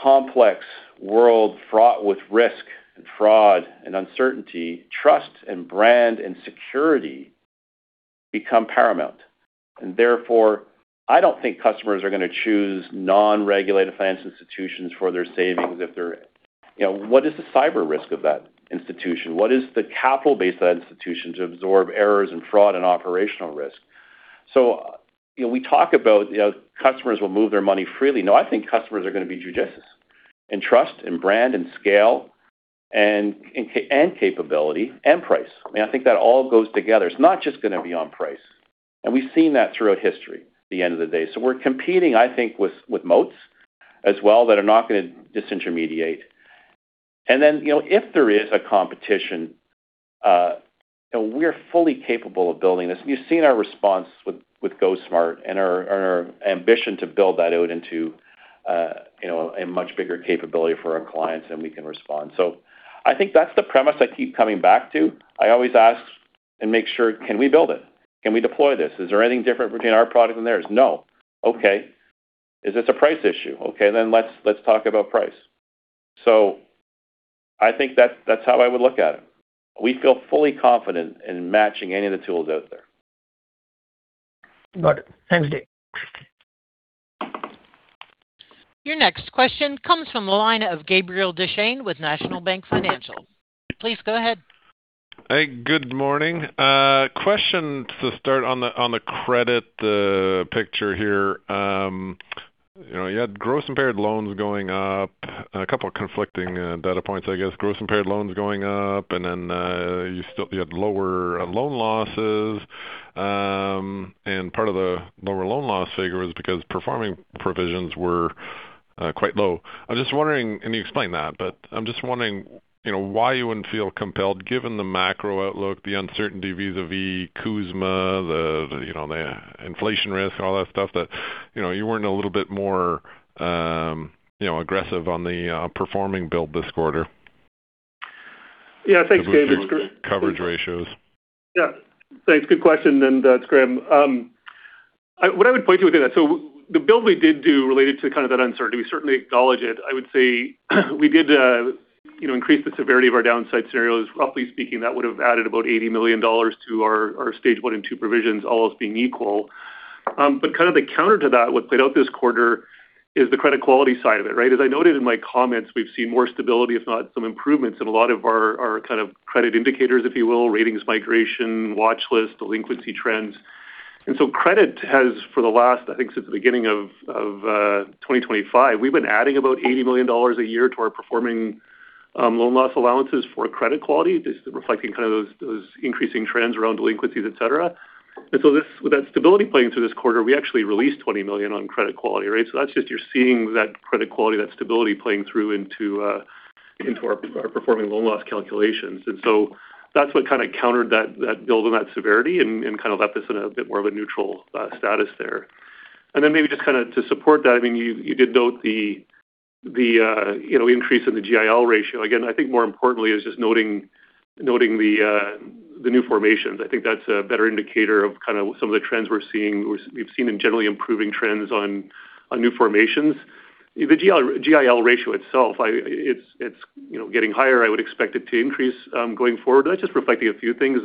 complex world fraught with risk and fraud and uncertainty, trust and brand and security become paramount. Therefore, I don't think customers are going to choose non-regulated finance institutions for their savings. What is the cyber risk of that institution? What is the capital base of that institution to absorb errors and fraud and operational risk? We talk about customers will move their money freely. I think customers are going to be judicious in trust, in brand, in scale, and capability and price. I think that all goes together. It's not just going to be on price. We've seen that throughout history at the end of the day. We're competing, I think, with moats as well that are not going to disintermediate. If there is a competition, we're fully capable of building this. You've seen our response with GoSmart and our ambition to build that out into a much bigger capability for our clients, and we can respond. I think that's the premise I keep coming back to. I always ask and make sure, can we build it? Can we deploy this? Is there anything different between our product and theirs? No. Okay. Is this a price issue? Okay, let's talk about price. I think that's how I would look at it. We feel fully confident in matching any of the tools out there. Got it. Thanks, Dave. Your next question comes from the line of Gabriel Dechaine with National Bank Financial. Please go ahead. Hey, good morning. Question to start on the credit picture here. You had gross impaired loans going up and a couple conflicting data points, I guess. Gross impaired loans going up, and then you had lower loan losses. Part of the lower loan loss figure is because performing provisions were quite low. I'm just wondering, and you explained that, but I'm just wondering why you wouldn't feel compelled, given the macro outlook, the uncertainty vis-a-vis CUSMA, the inflation risk, and all that stuff that you weren't a little bit more aggressive on the performing build this quarter. Yeah, thanks, Gabe. To boost your coverage ratios. Yeah. Thanks. Good question. It's Graeme. What I would point to within that, the build we did do related to kind of that uncertainty, we certainly acknowledge it. I would say we did increase the severity of our downside scenarios. Roughly speaking, that would have added about 80 million dollars to our stage one and two provisions, all else being equal. Kind of the counter to that, what played out this quarter is the credit quality side of it, right? As I noted in my comments, we've seen more stability, if not some improvements in a lot of our kind of credit indicators, if you will, ratings migration, watchlist, delinquency trends. Credit has for the last, I think, since the beginning of 2025, we've been adding about 80 million dollars a year to our performing loan loss allowances for credit quality, just reflecting kind of those increasing trends around delinquencies, et cetera. With that stability playing through this quarter, we actually released 20 million on credit quality, right? That's just you're seeing that credit quality, that stability playing through into our performing loan loss calculations. That's what kind of countered that build and that severity and kind of left us in a bit more of a neutral status there. Maybe just kind of to support that, you did note the increase in the GIL ratio. Again, I think more importantly is just noting the new formations. I think that's a better indicator of kind of some of the trends we've seen in generally improving trends on new formations. The GIL ratio itself, it's getting higher. I would expect it to increase going forward. That's just reflecting a few things.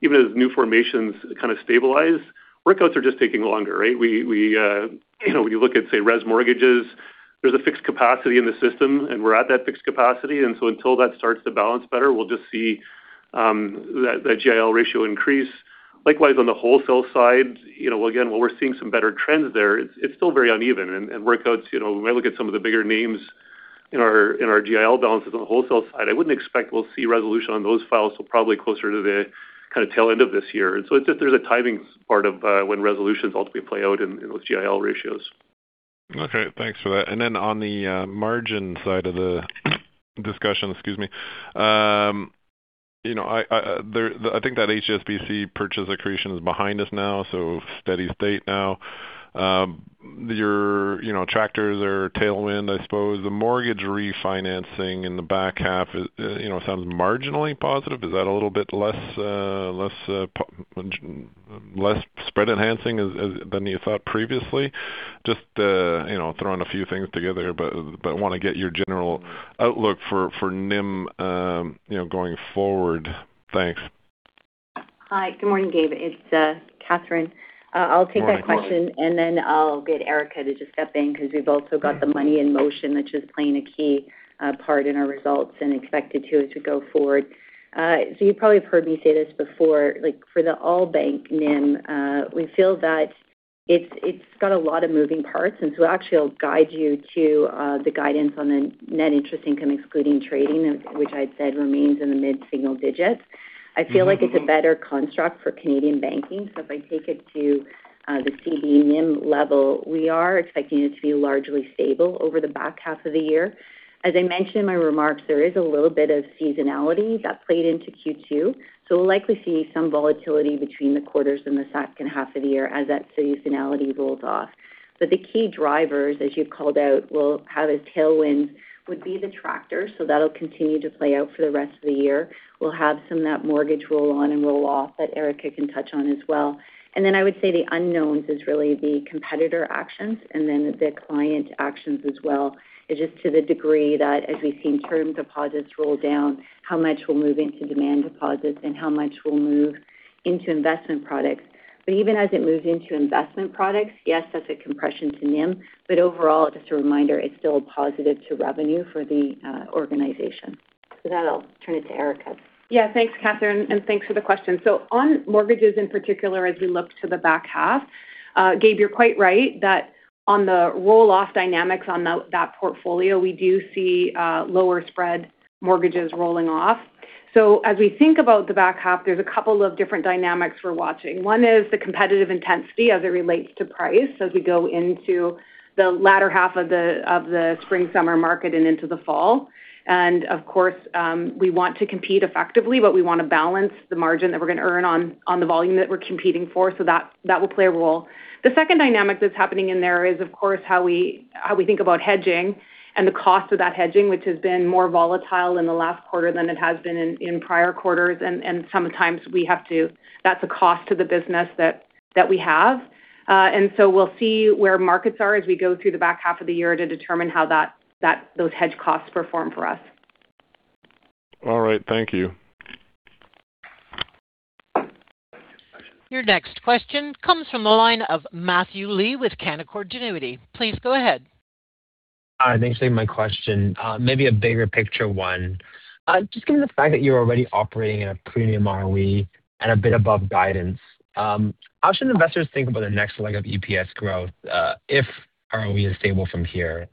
Even as new formations kind of stabilize, workouts are just taking longer, right? When you look at, say, res mortgages, there's a fixed capacity in the system, and we're at that fixed capacity, and so until that starts to balance better, we'll just see that GIL ratio increase. Likewise, on the wholesale side, again, while we're seeing some better trends there, it's still very uneven. And workouts, when we look at some of the bigger names in our GIL balances on the wholesale side, I wouldn't expect we'll see resolution on those files till probably closer to the kind of tail end of this year. It's just there's a timing part of when resolutions ultimately play out in those GIL ratios. Okay. Thanks for that. On the margin side of the discussion, excuse me. I think that HSBC purchase accretion is behind us now, so steady state now. Your factors are tailwind, I suppose. The mortgage refinancing in the back half sounds marginally positive. Is that a little bit less spread enhancing than you thought previously? Just throwing a few things together, but want to get your general outlook for NIM going forward. Thanks. Hi. Good morning, Gabriel. It's Katherine. Morning. I'll take that question, and then I'll get Erica to just step in because we've also got the money in motion, which is playing a key part in our results and expected to as we go forward. You probably have heard me say this before, like for the all bank NIM, we feel that. It's got a lot of moving parts, actually I'll guide you to the guidance on the net interest income excluding trading, which I'd said remains in the mid-single digits. I feel like it's a better construct for Canadian Banking. If I take it to the Canadian Banking NIM level, we are expecting it to be largely stable over the back half of the year. As I mentioned in my remarks, there is a little bit of seasonality that played into Q2, we'll likely see some volatility between the quarters in the second half of the year as that seasonality rolls off. The key drivers, as you've called out, will have a tailwind, would be the factors. That'll continue to play out for the rest of the year. We'll have some of that mortgage roll-on and roll-off that Erica can touch on as well. I would say the unknowns is really the competitor actions and then the client actions as well. It's just to the degree that as we've seen term deposits roll down, how much we'll move into demand deposits and how much we'll move into investment products. Even as it moves into investment products, yes, that's a compression to NIM. Overall, just a reminder, it's still positive to revenue for the organization. With that, I'll turn it to Erica. Yeah. Thanks, Katherine. Thanks for the question. On mortgages in particular, as we look to the back half, Gabe, you're quite right that on the roll-off dynamics on that portfolio, we do see lower spread mortgages rolling off. As we think about the back half, there's a couple of different dynamics we're watching. One is the competitive intensity as it relates to price as we go into the latter half of the spring-summer market and into the fall. Of course, we want to compete effectively, but we want to balance the margin that we're going to earn on the volume that we're competing for. That will play a role. The second dynamic that's happening in there is, of course, how we think about hedging and the cost of that hedging, which has been more volatile in the last quarter than it has been in prior quarters. Sometimes that's a cost to the business that we have. We'll see where markets are as we go through the back half of the year to determine how those hedge costs perform for us. All right. Thank you. Your next question comes from the line of Matthew Lee with Canaccord Genuity. Please go ahead. Hi. Thanks for taking my question. Maybe a bigger picture one. Just given the fact that you're already operating at a premium ROE and a bit above guidance, how should investors think about the next leg of EPS growth if ROE is stable from here?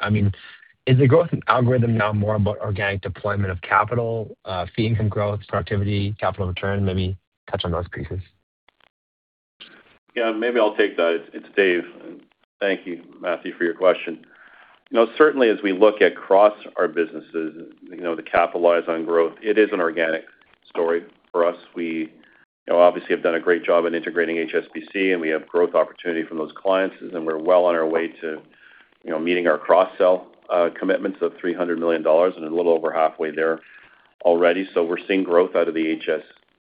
Is the growth in algorithm now more about organic deployment of capital, fee income growth, productivity, capital return? Maybe touch on those pieces. Yeah. Maybe I'll take that. It's Dave. Thank you, Matthew, for your question. Certainly, as we look across our businesses, to capitalize on growth, it is an organic story for us. We obviously have done a great job in integrating HSBC, and we have growth opportunity from those clients, and we're well on our way to meeting our cross-sell commitments of 300 million dollars and a little over halfway there already. We're seeing growth out of the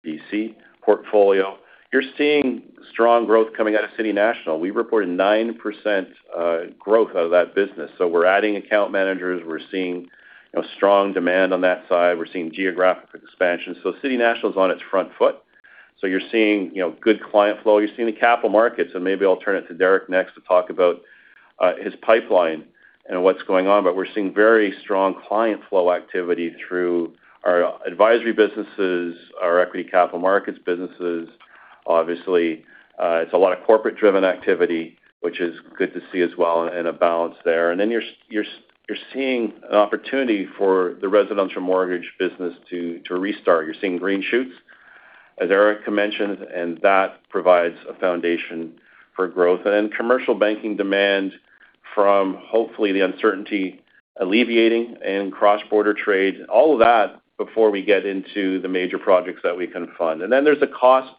HSBC portfolio. You're seeing strong growth coming out of City National. We reported 9% growth out of that business. We're adding account managers. We're seeing strong demand on that side. We're seeing geographic expansion. City National's on its front foot. You're seeing good client flow. You're seeing the Capital Markets, and maybe I'll turn it to Derek Neldner next to talk about his pipeline and what's going on. We're seeing very strong client flow activity through our advisory businesses, our equity capital markets businesses. Obviously, it's a lot of corporate-driven activity, which is good to see as well and a balance there. You're seeing an opportunity for the residential mortgage business to restart. You're seeing green shoots, as Erica mentioned, and that provides a foundation for growth. Commercial Banking demand from hopefully the uncertainty alleviating and cross-border trade, all of that before we get into the major projects that we can fund. There's a cost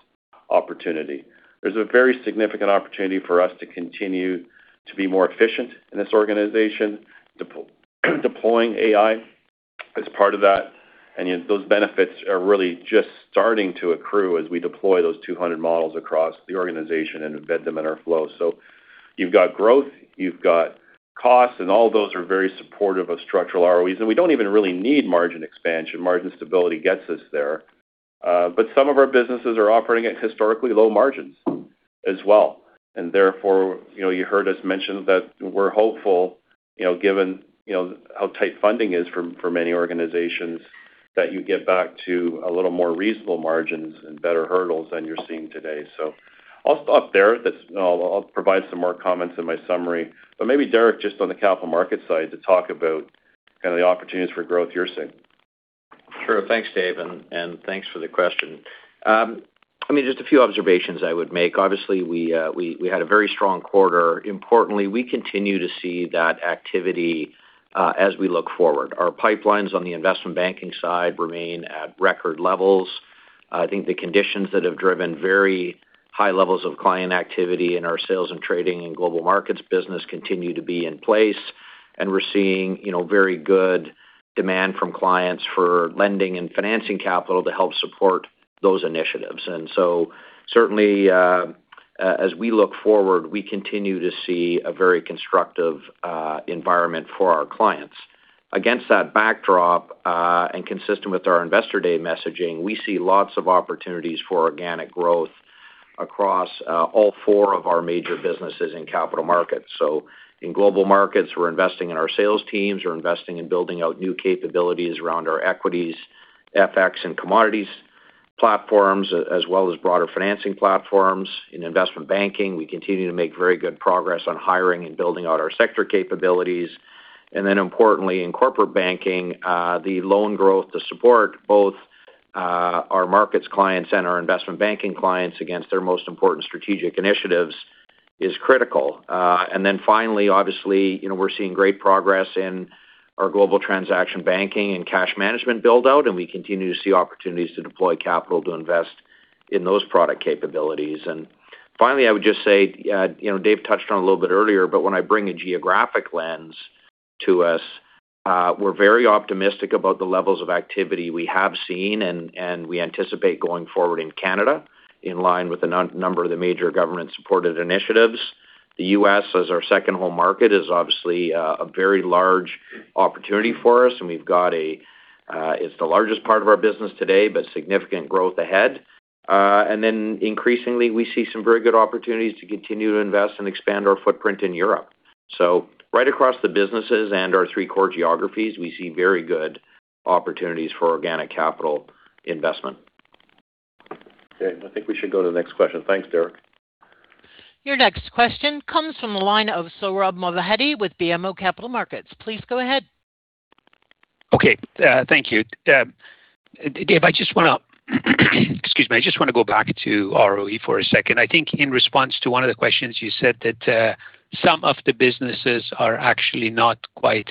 opportunity. There's a very significant opportunity for us to continue to be more efficient in this organization, deploying AI as part of that. Those benefits are really just starting to accrue as we deploy those 200 models across the organization and embed them in our flow. You've got growth, you've got costs, and all those are very supportive of structural ROEs. We don't even really need margin expansion. Margin stability gets us there. Some of our businesses are operating at historically low margins as well. Therefore, you heard us mention that we're hopeful, given how tight funding is for many organizations, that you get back to a little more reasonable margins and better hurdles than you're seeing today. I'll stop there. I'll provide some more comments in my summary. Maybe Derek, just on the Capital Markets side, to talk about kind of the opportunities for growth you're seeing. Sure. Thanks, Dave, and thanks for the question. Just a few observations I would make. Obviously, we had a very strong quarter. Importantly, we continue to see that activity as we look forward. Our pipelines on the investment banking side remain at record levels. I think the conditions that have driven very high levels of client activity in our sales and trading and Global Markets business continue to be in place, and we're seeing very good demand from clients for lending and financing capital to help support those initiatives. Certainly, as we look forward, we continue to see a very constructive environment for our clients. Against that backdrop, and consistent with our investor day messaging, we see lots of opportunities for organic growth across all four of our major businesses in Capital Markets. In Global Markets, we're investing in our sales teams. We're investing in building out new capabilities around our equities, FX, and commodities platforms as well as broader financing platforms. In Investment Banking, we continue to make very good progress on hiring and building out our sector capabilities. Importantly, in Corporate Banking, the loan growth to support both our Capital Markets clients and our Investment Banking clients against their most important strategic initiatives is critical. Finally, obviously, we're seeing great progress in our Global Transaction Banking and cash management build-out, and we continue to see opportunities to deploy capital to invest in those product capabilities. Finally, I would just say, Dave touched on it a little bit earlier, but when I bring a geographic lens to us, we're very optimistic about the levels of activity we have seen and we anticipate going forward in Canada, in line with a number of the major government-supported initiatives. The U.S., as our second home market, is obviously a very large opportunity for us. It's the largest part of our business today, but significant growth ahead. Increasingly, we see some very good opportunities to continue to invest and expand our footprint in Europe. Right across the businesses and our three core geographies, we see very good opportunities for organic capital investment. Okay. I think we should go to the next question. Thanks, Derek. Your next question comes from the line of Sohrab Movahedi with BMO Capital Markets. Please go ahead. Okay. Thank you. Dave, I just want to go back to ROE for a second. I think in response to one of the questions, you said that some of the businesses are actually not quite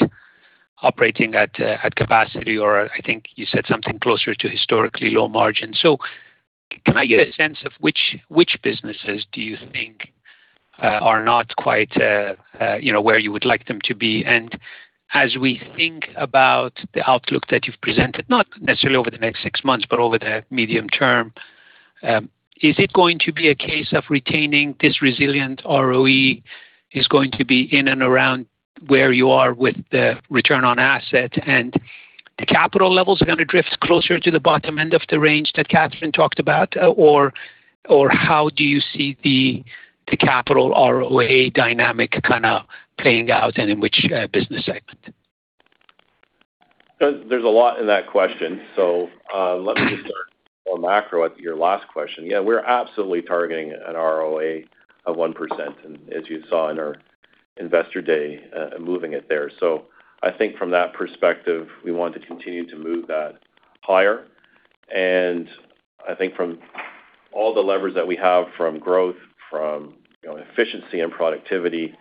operating at capacity, or I think you said something closer to historically low margin. Can I get a sense of which businesses do you think are not quite where you would like them to be? As we think about the outlook that you've presented, not necessarily over the next six months, but over the medium term, is it going to be a case of retaining this resilient ROE is going to be in and around where you are with the return on asset, and the capital levels are going to drift closer to the bottom end of the range that Katherine talked about? How do you see the capital ROA dynamic kind of playing out, and in which business segment? There's a lot in that question. Let me just start more macro at your last question. Yeah, we're absolutely targeting an ROA of 1%, and as you saw in our investor day, moving it there. I think from that perspective, we want to continue to move that higher. I think from all the levers that we have from growth, from efficiency and productivity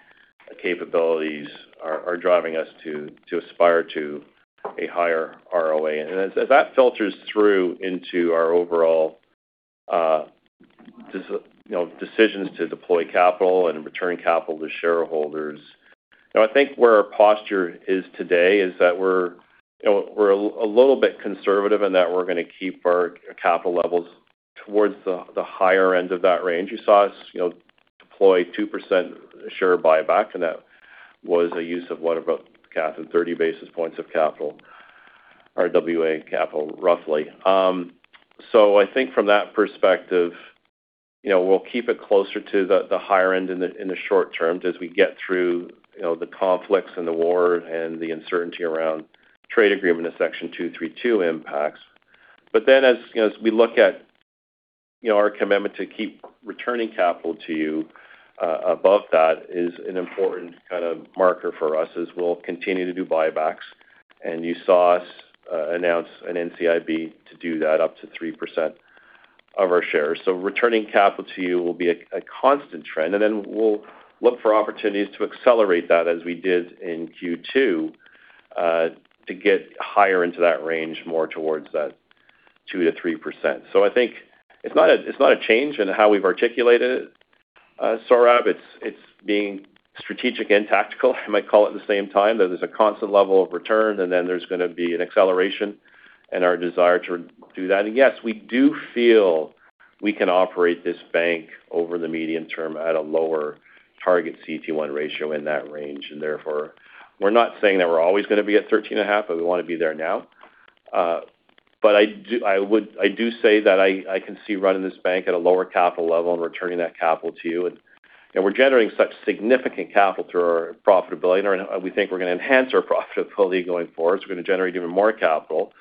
capabilities are driving us to aspire to a higher ROA. As that filters through into our overall decisions to deploy capital and return capital to shareholders, I think where our posture is today is that we're a little bit conservative in that we're going to keep our capital levels towards the higher end of that range. You saw us deploy 2% share buyback, and that was a use of, what about, Cath, 30 basis points of capital, RWA capital, roughly. I think from that perspective, we'll keep it closer to the higher end in the short term as we get through the conflicts and the war and the uncertainty around trade agreement and Section 232 impacts. As we look at our commitment to keep returning capital to you above that is an important kind of marker for us as we'll continue to do buybacks. You saw us announce an NCIB to do that up to 3% of our shares. Returning capital to you will be a constant trend. We'll look for opportunities to accelerate that as we did in Q2 to get higher into that range, more towards that 2%-3%. I think it's not a change in how we've articulated it, Sohrab. It's being strategic and tactical, I might call it at the same time. That there's a constant level of return, and then there's going to be an acceleration in our desire to do that. Yes, we do feel we can operate this bank over the medium term at a lower target CET1 ratio in that range. Therefore, we're not saying that we're always going to be at 13.5, but we want to be there now. I do say that I can see running this bank at a lower capital level and returning that capital to you. We're generating such significant capital through our profitability, and we think we're going to enhance our profitability going forward, so we're going to generate even more capital.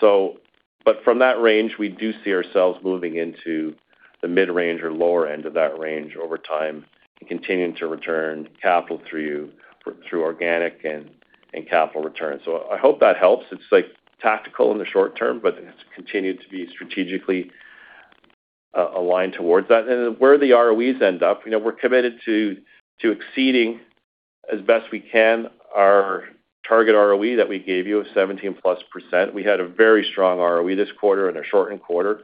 From that range, we do see ourselves moving into the mid-range or lower end of that range over time and continuing to return capital through organic and capital returns. I hope that helps. It's tactical in the short term, but it's continued to be strategically aligned towards that. Where the ROEs end up, we're committed to exceeding, as best we can, our target ROE that we gave you of 17% plus. We had a very strong ROE this quarter in a shortened quarter.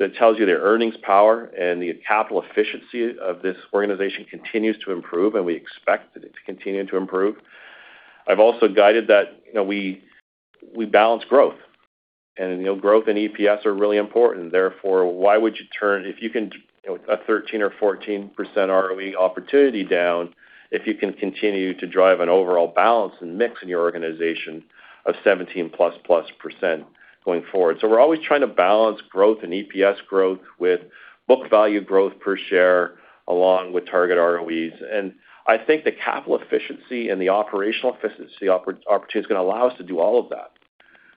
That tells you the earnings power and the capital efficiency of this organization continues to improve, and we expect it to continue to improve. I've also guided that we balance growth. Growth and EPS are really important. Therefore, why would you turn a 13% or 14% ROE opportunity down if you can continue to drive an overall balance and mix in your organization of 17% plus plus going forward? We're always trying to balance growth and EPS growth with book value growth per share, along with target ROEs. I think the capital efficiency and the operational efficiency opportunity is going to allow us to do all of that.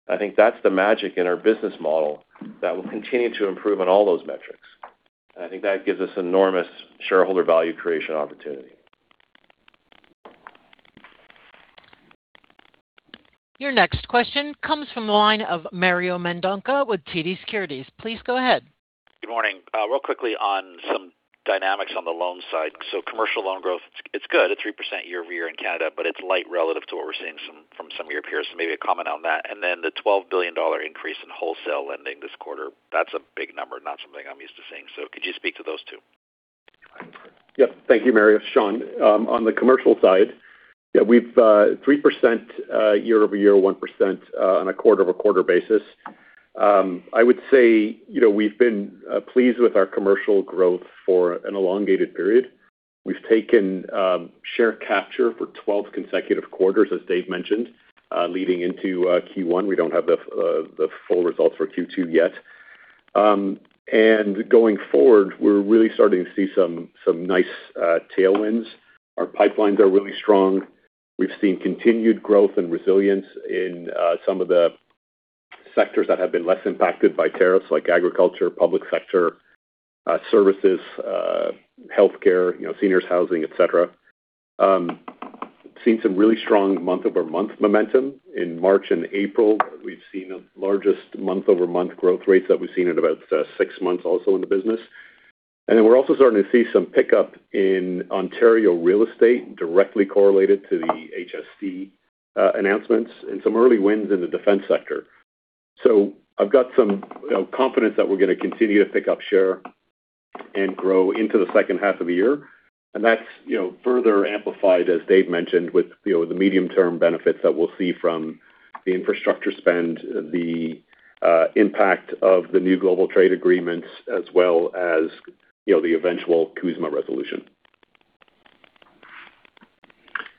I think that's the magic in our business model that will continue to improve on all those metrics. I think that gives us enormous shareholder value creation opportunity. Your next question comes from the line of Mario Mendonca with TD Securities. Please go ahead. Good morning. Real quickly on some dynamics on the loan side. Commercial loan growth, it's good at 3% year-over-year in Canada, but it's light relative to what we're seeing from some of your peers. Maybe a comment on that. The 12 billion dollar increase in wholesale lending this quarter, that's a big number, not something I'm used to seeing. Could you speak to those two? Yes. Thank you, Mario. Sean, on the Commercial Banking side, yeah, we've 3% year-over-year, 1% on a quarter-over-quarter basis. I would say we've been pleased with our Commercial Banking growth for an elongated period. We've taken share capture for 12 consecutive quarters, as Dave mentioned, leading into Q1. We don't have the full results for Q2 yet. Going forward, we're really starting to see some nice tailwinds. Our pipelines are really strong. We've seen continued growth and resilience in some of the sectors that have been less impacted by tariffs, like agriculture, public sector, services, healthcare, seniors housing, et cetera. We've seen some really strong month-over-month momentum. In March and April, we've seen the largest month-over-month growth rates that we've seen in about six months also in the business. We're also starting to see some pickup in Ontario real estate directly correlated to the HSBC announcements and some early wins in the defense sector. I've got some confidence that we're going to continue to pick up share and grow into the second half of the year, and that's further amplified, as Dave mentioned, with the medium-term benefits that we'll see from the infrastructure spend, the impact of the new global trade agreements, as well as the eventual CUSMA resolution.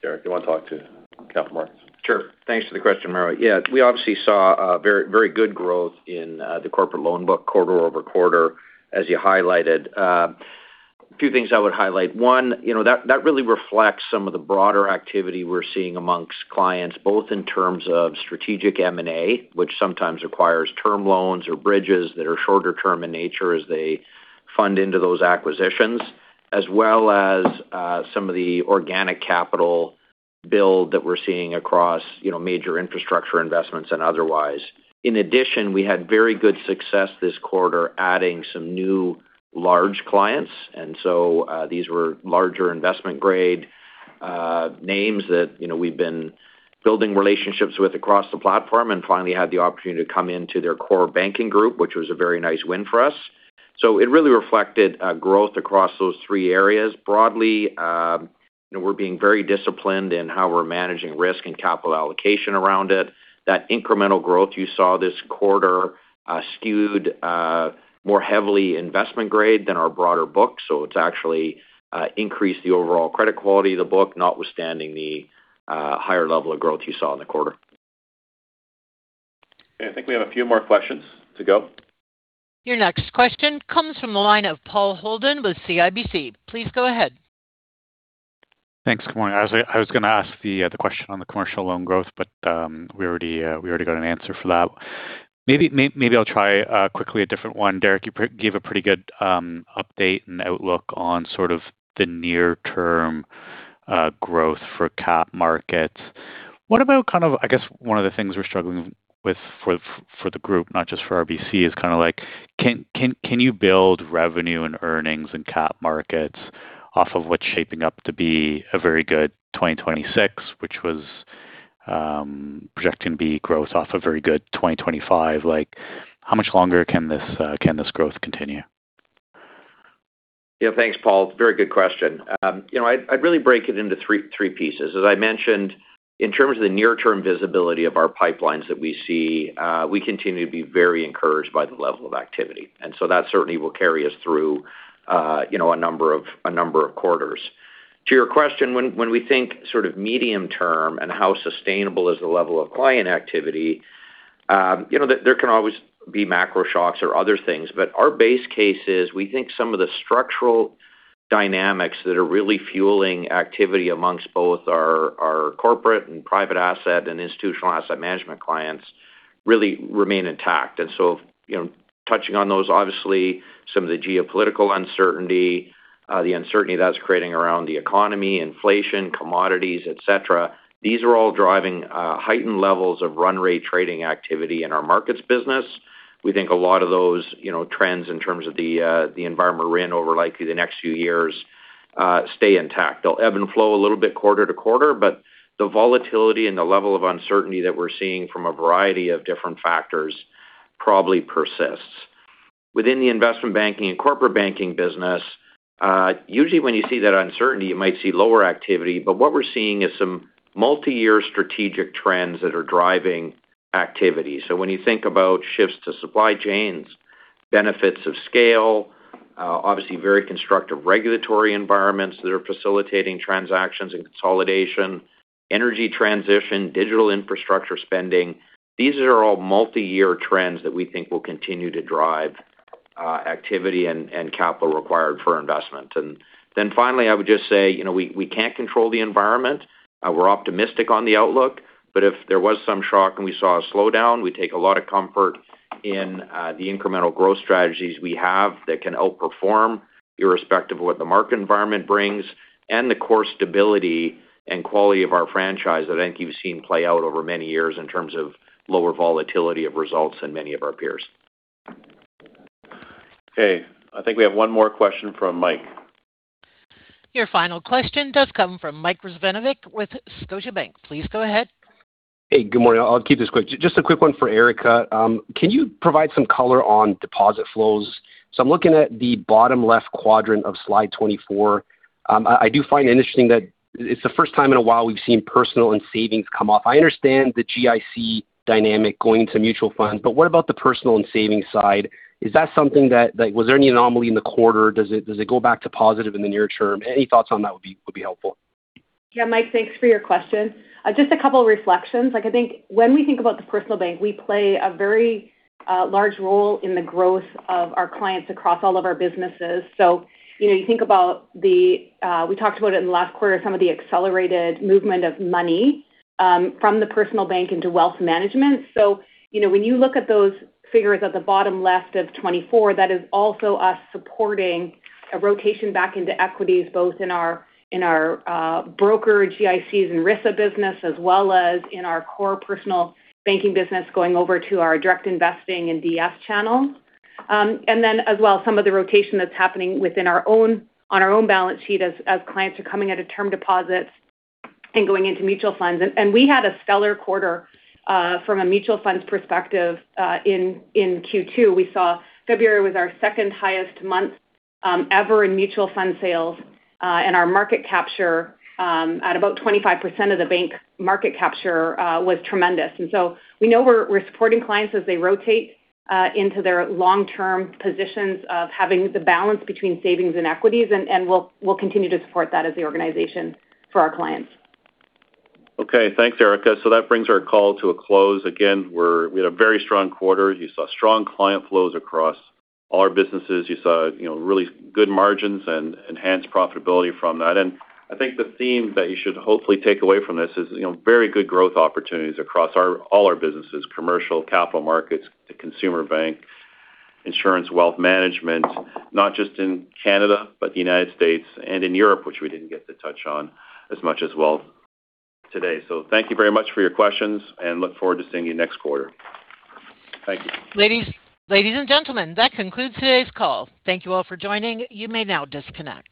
Derek, do you want to talk to Capital Markets? Sure. Thanks for the question, Mario. Yeah. We obviously saw very good growth in the corporate loan book quarter-over-quarter, as you highlighted. A few things I would highlight. One, that really reflects some of the broader activity we're seeing amongst clients, both in terms of strategic M&A, which sometimes requires term loans or bridges that are shorter term in nature as they fund into those acquisitions, as well as some of the organic capital build that we're seeing across major infrastructure investments and otherwise. In addition, we had very good success this quarter adding some new large clients. These were larger investment grade names that we've been building relationships with across the platform and finally had the opportunity to come into their core banking group, which was a very nice win for us. It really reflected growth across those three areas broadly. We're being very disciplined in how we're managing risk and capital allocation around it. That incremental growth you saw this quarter skewed more heavily investment grade than our broader book. It's actually increased the overall credit quality of the book, not withstanding the higher level of growth you saw in the quarter. Okay. I think we have a few more questions to go. Your next question comes from the line of Paul Holden with CIBC. Please go ahead. Thanks. Good morning. I was going to ask the other question on the commercial loan growth. We already got an answer for that. Maybe I'll try quickly a different one. Derek, you gave a pretty good update and outlook on sort of the near-term growth for Capital Markets. What about kind of, I guess, one of the things we're struggling with for the group, not just for RBC, is can you build revenue and earnings in Capital Markets off of what's shaping up to be a very good 2026, which was projecting to be growth off a very good 2025? How much longer can this growth continue? Thanks, Paul. Very good question. I'd really break it into three pieces. As I mentioned, in terms of the near-term visibility of our pipelines that we see, we continue to be very encouraged by the level of activity, that certainly will carry us through a number of quarters. To your question, when we think sort of medium-term and how sustainable is the level of client activity, there can always be macro shocks or other things, but our base case is we think some of the structural dynamics that are really fueling activity amongst both our corporate and private asset and institutional asset management clients really remain intact. Touching on those, obviously some of the geopolitical uncertainty, the uncertainty that's creating around the economy, inflation, commodities, et cetera, these are all driving heightened levels of run rate trading activity in our markets business. We think a lot of those trends in terms of the environment we're in over likely the next few years stay intact. They'll ebb and flow a little bit quarter to quarter, but the volatility and the level of uncertainty that we're seeing from a variety of different factors probably persists. Within the investment banking and Commercial Banking business, usually when you see that uncertainty, you might see lower activity, but what we're seeing is some multi-year strategic trends that are driving activity. When you think about shifts to supply chains, benefits of scale, obviously very constructive regulatory environments that are facilitating transactions and consolidation, energy transition, digital infrastructure spending, these are all multi-year trends that we think will continue to drive activity and capital required for investment. Finally, I would just say, we can't control the environment. We're optimistic on the outlook, but if there was some shock and we saw a slowdown, we take a lot of comfort in the incremental growth strategies we have that can outperform irrespective of what the market environment brings, and the core stability and quality of our franchise that I think you've seen play out over many years in terms of lower volatility of results than many of our peers. Okay. I think we have one more question from Mike. Your final question does come from Mike Rizvanovic with Scotiabank. Please go ahead. Hey, good morning. I'll keep this quick. Just a quick one for Erica. Can you provide some color on deposit flows? I'm looking at the bottom left quadrant of slide 24. I do find it interesting that it's the first time in a while we've seen personal and savings come off. I understand the GIC dynamic going into mutual funds, but what about the personal and savings side? Is that something Was there any anomaly in the quarter? Does it go back to positive in the near term? Any thoughts on that would be helpful. Yeah. Mike, thanks for your question. Just a couple reflections. I think when we think about the Personal Banking, we play a very large role in the growth of our clients across all of our businesses. You think about it in the last quarter, some of the accelerated movement of money from the Personal Banking into Wealth Management. When you look at those figures at the bottom left of 24, that is also us supporting a rotation back into equities, both in our broker GICs and RISA business, as well as in our core Personal Banking business, going over to our Direct Investing and DF channel. As well, some of the rotation that's happening within on our own balance sheet as clients are coming out of term deposits and going into mutual funds. We had a stellar quarter from a mutual funds perspective in Q2. We saw February was our second highest month ever in mutual fund sales. Our market capture at about 25% of the bank market capture was tremendous. We know we're supporting clients as they rotate into their long-term positions of having the balance between savings and equities, we'll continue to support that as the organization for our clients. Okay. Thanks, Erica. That brings our call to a close. Again, we had a very strong quarter. You saw strong client flows across all our businesses. You saw really good margins and enhanced profitability from that. I think the theme that you should hopefully take away from this is very good growth opportunities across all our businesses, Commercial Banking, Capital Markets to Personal Banking, Insurance, Wealth Management, not just in Canada, but the United States and in Europe, which we didn't get to touch on as much as well today. Thank you very much for your questions and look forward to seeing you next quarter. Thank you. Ladies and gentlemen, that concludes today's call. Thank you all for joining. You may now disconnect.